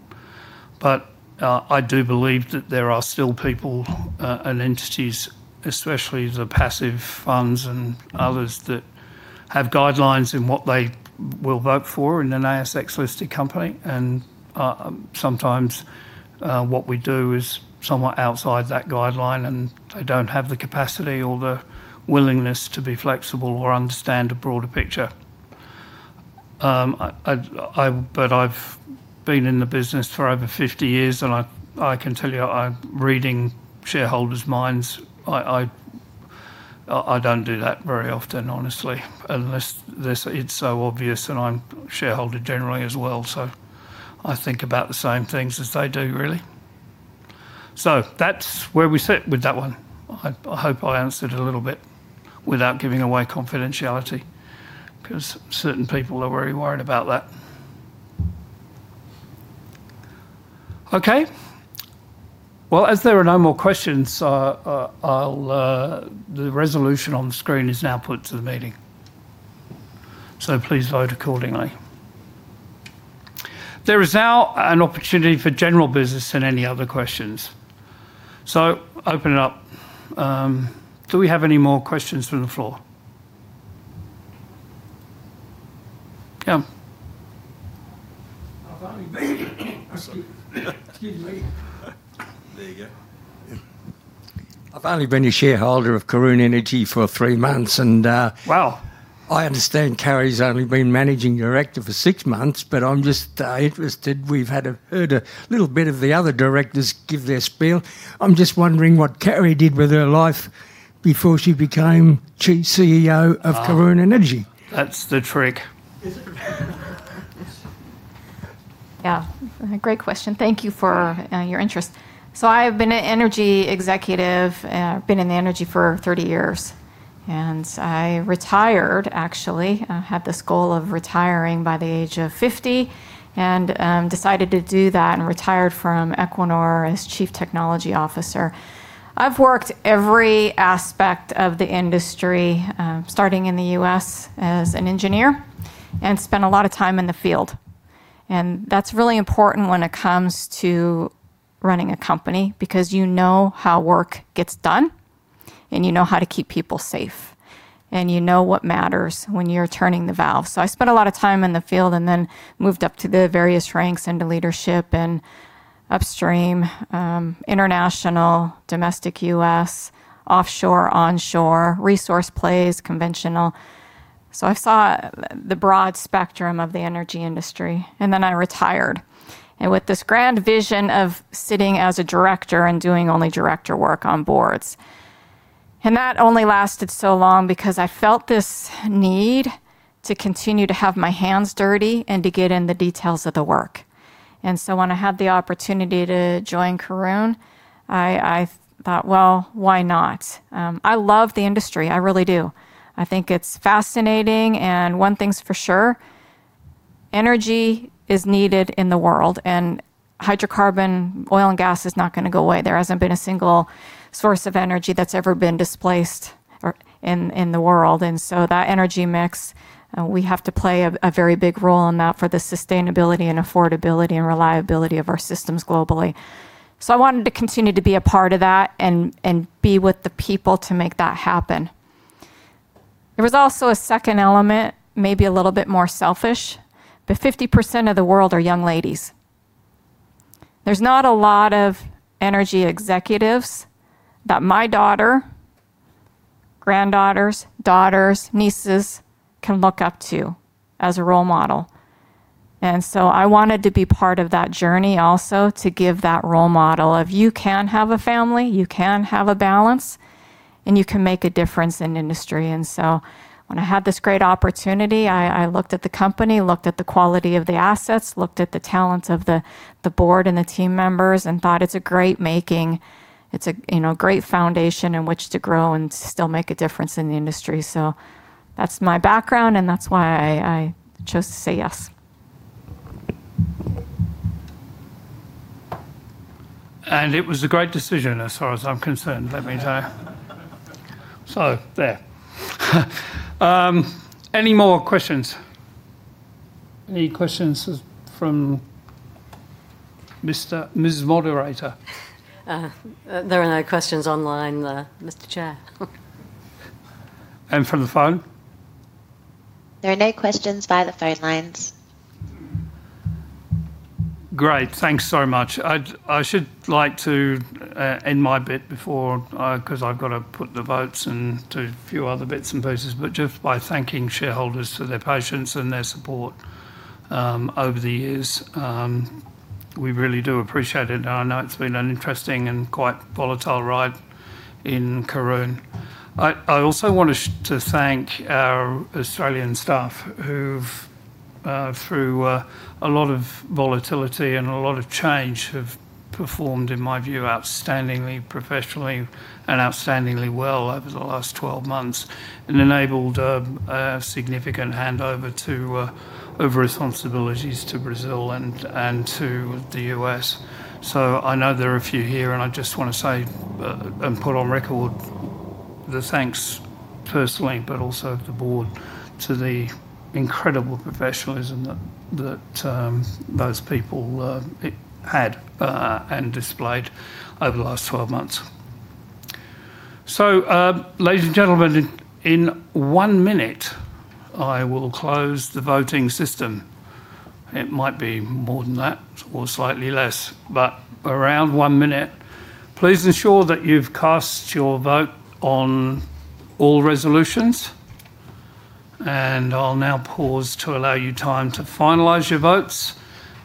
I do believe that there are still people and entities, especially the passive funds and others, that have guidelines in what they will vote for in an ASX-listed company, and sometimes what we do is somewhat outside that guideline, and they don't have the capacity or the willingness to be flexible or understand a broader picture. I've been in the business for over 50 years, and I can tell you, reading shareholders' minds, I don't do that very often, honestly, unless it's so obvious, and I'm a shareholder generally as well, so I think about the same things as they do really. That's where we sit with that one. I hope I answered a little bit without giving away confidentiality, because certain people are very worried about that. Okay. As there are no more questions, the resolution on the screen is now put to the meeting. Please vote accordingly. There is now an opportunity for general business and any other questions. Open it up. Do we have any more questions from the floor? Yeah. Excuse me. There you go. Yeah. I've only been a shareholder of Karoon Energy for three months. Wow I understand Carri's only been Managing Director for six months. I'm just interested. We've heard a little bit of the other directors give their spiel. I'm just wondering what Carri did with her life before she became CEO of Karoon Energy. That's the trick. Yeah. Great question. Thank you for your interest. I've been an energy executive, been in the energy for 30 years. I retired, actually, I had this goal of retiring by the age of 50, and decided to do that, and retired from Equinor as Chief Technology Officer. I've worked every aspect of the industry, starting in the U.S. as an engineer, and spent a lot of time in the field. That's really important when it comes to running a company because you know how work gets done, and you know how to keep people safe, and you know what matters when you're turning the valve. I spent a lot of time in the field, and then moved up to the various ranks into leadership and upstream, international, domestic U.S., offshore, onshore, resource plays, conventional. I saw the broad spectrum of the energy industry. I retired, with this grand vision of sitting as a director and doing only director work on boards. That only lasted so long because I felt this need to continue to have my hands dirty and to get in the details of the work. When I had the opportunity to join Karoon, I thought, "Well, why not?" I love the industry. I really do. I think it's fascinating, and one thing's for sure, energy is needed in the world, and hydrocarbon oil and gas is not going to go away. There hasn't been a single source of energy that's ever been displaced in the world. That energy mix, we have to play a very big role in that for the sustainability and affordability and reliability of our systems globally. I wanted to continue to be a part of that and be with the people to make that happen. There was also a second element, maybe a little bit more selfish, but 50% of the world are young ladies. There's not a lot of energy executives that my daughter, granddaughters, daughters, nieces, can look up to as a role model. I wanted to be part of that journey also to give that role model of you can have a family, you can have a balance, and you can make a difference in industry. When I had this great opportunity, I looked at the company, looked at the quality of the assets, looked at the talents of the board and the team members and thought, "It's a great foundation in which to grow and still make a difference in the industry." That's my background, and that's why I chose to say yes. It was a great decision as far as I'm concerned, let me tell you. There. Any more questions? Any questions from Ms. Moderator? There are no questions online, Mr. Chair. From the phone? There are no questions via the phone lines. Great. Thanks so much. I should like to end my bit before because I've got to put the votes and do a few other bits and pieces, but just by thanking shareholders for their patience and their support over the years. We really do appreciate it. I know it's been an interesting and quite volatile ride in Karoon. I also want to thank our Australian staff who've, through a lot of volatility and a lot of change, have performed, in my view, outstandingly professionally and outstandingly well over the last 12 months and enabled a significant handover of responsibilities to Brazil and to the U.S. I know there are a few here, and I just want to say, and put on record, the thanks personally, but also of the board, to the incredible professionalism that those people had and displayed over the last 12 months. Ladies and gentlemen, in one minute, I will close the voting system. It might be more than that or slightly less, but around one minute. Please ensure that you've cast your vote on all resolutions. I'll now pause to allow you time to finalize your votes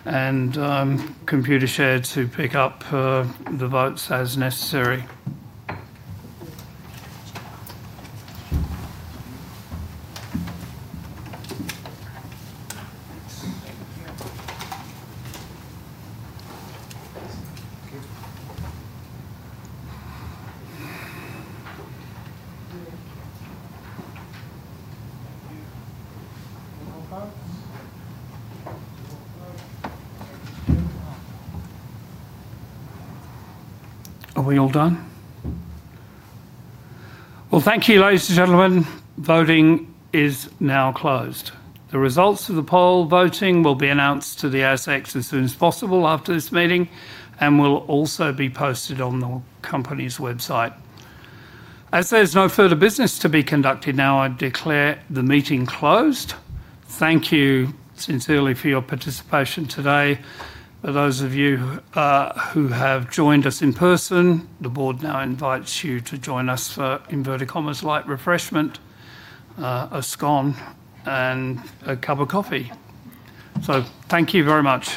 and Computershare to pick up the votes as necessary. Are we all done? Well, thank you, ladies and gentlemen. Voting is now closed. The results of the poll voting will be announced to the ASX as soon as possible after this meeting and will also be posted on the company's website. There's no further business to be conducted now. I declare the meeting closed. Thank you sincerely for your participation today. For those of you who have joined us in person, the board now invites you to join us for, inverted commas, "light refreshment," a scone and a cup of coffee. Thank you very much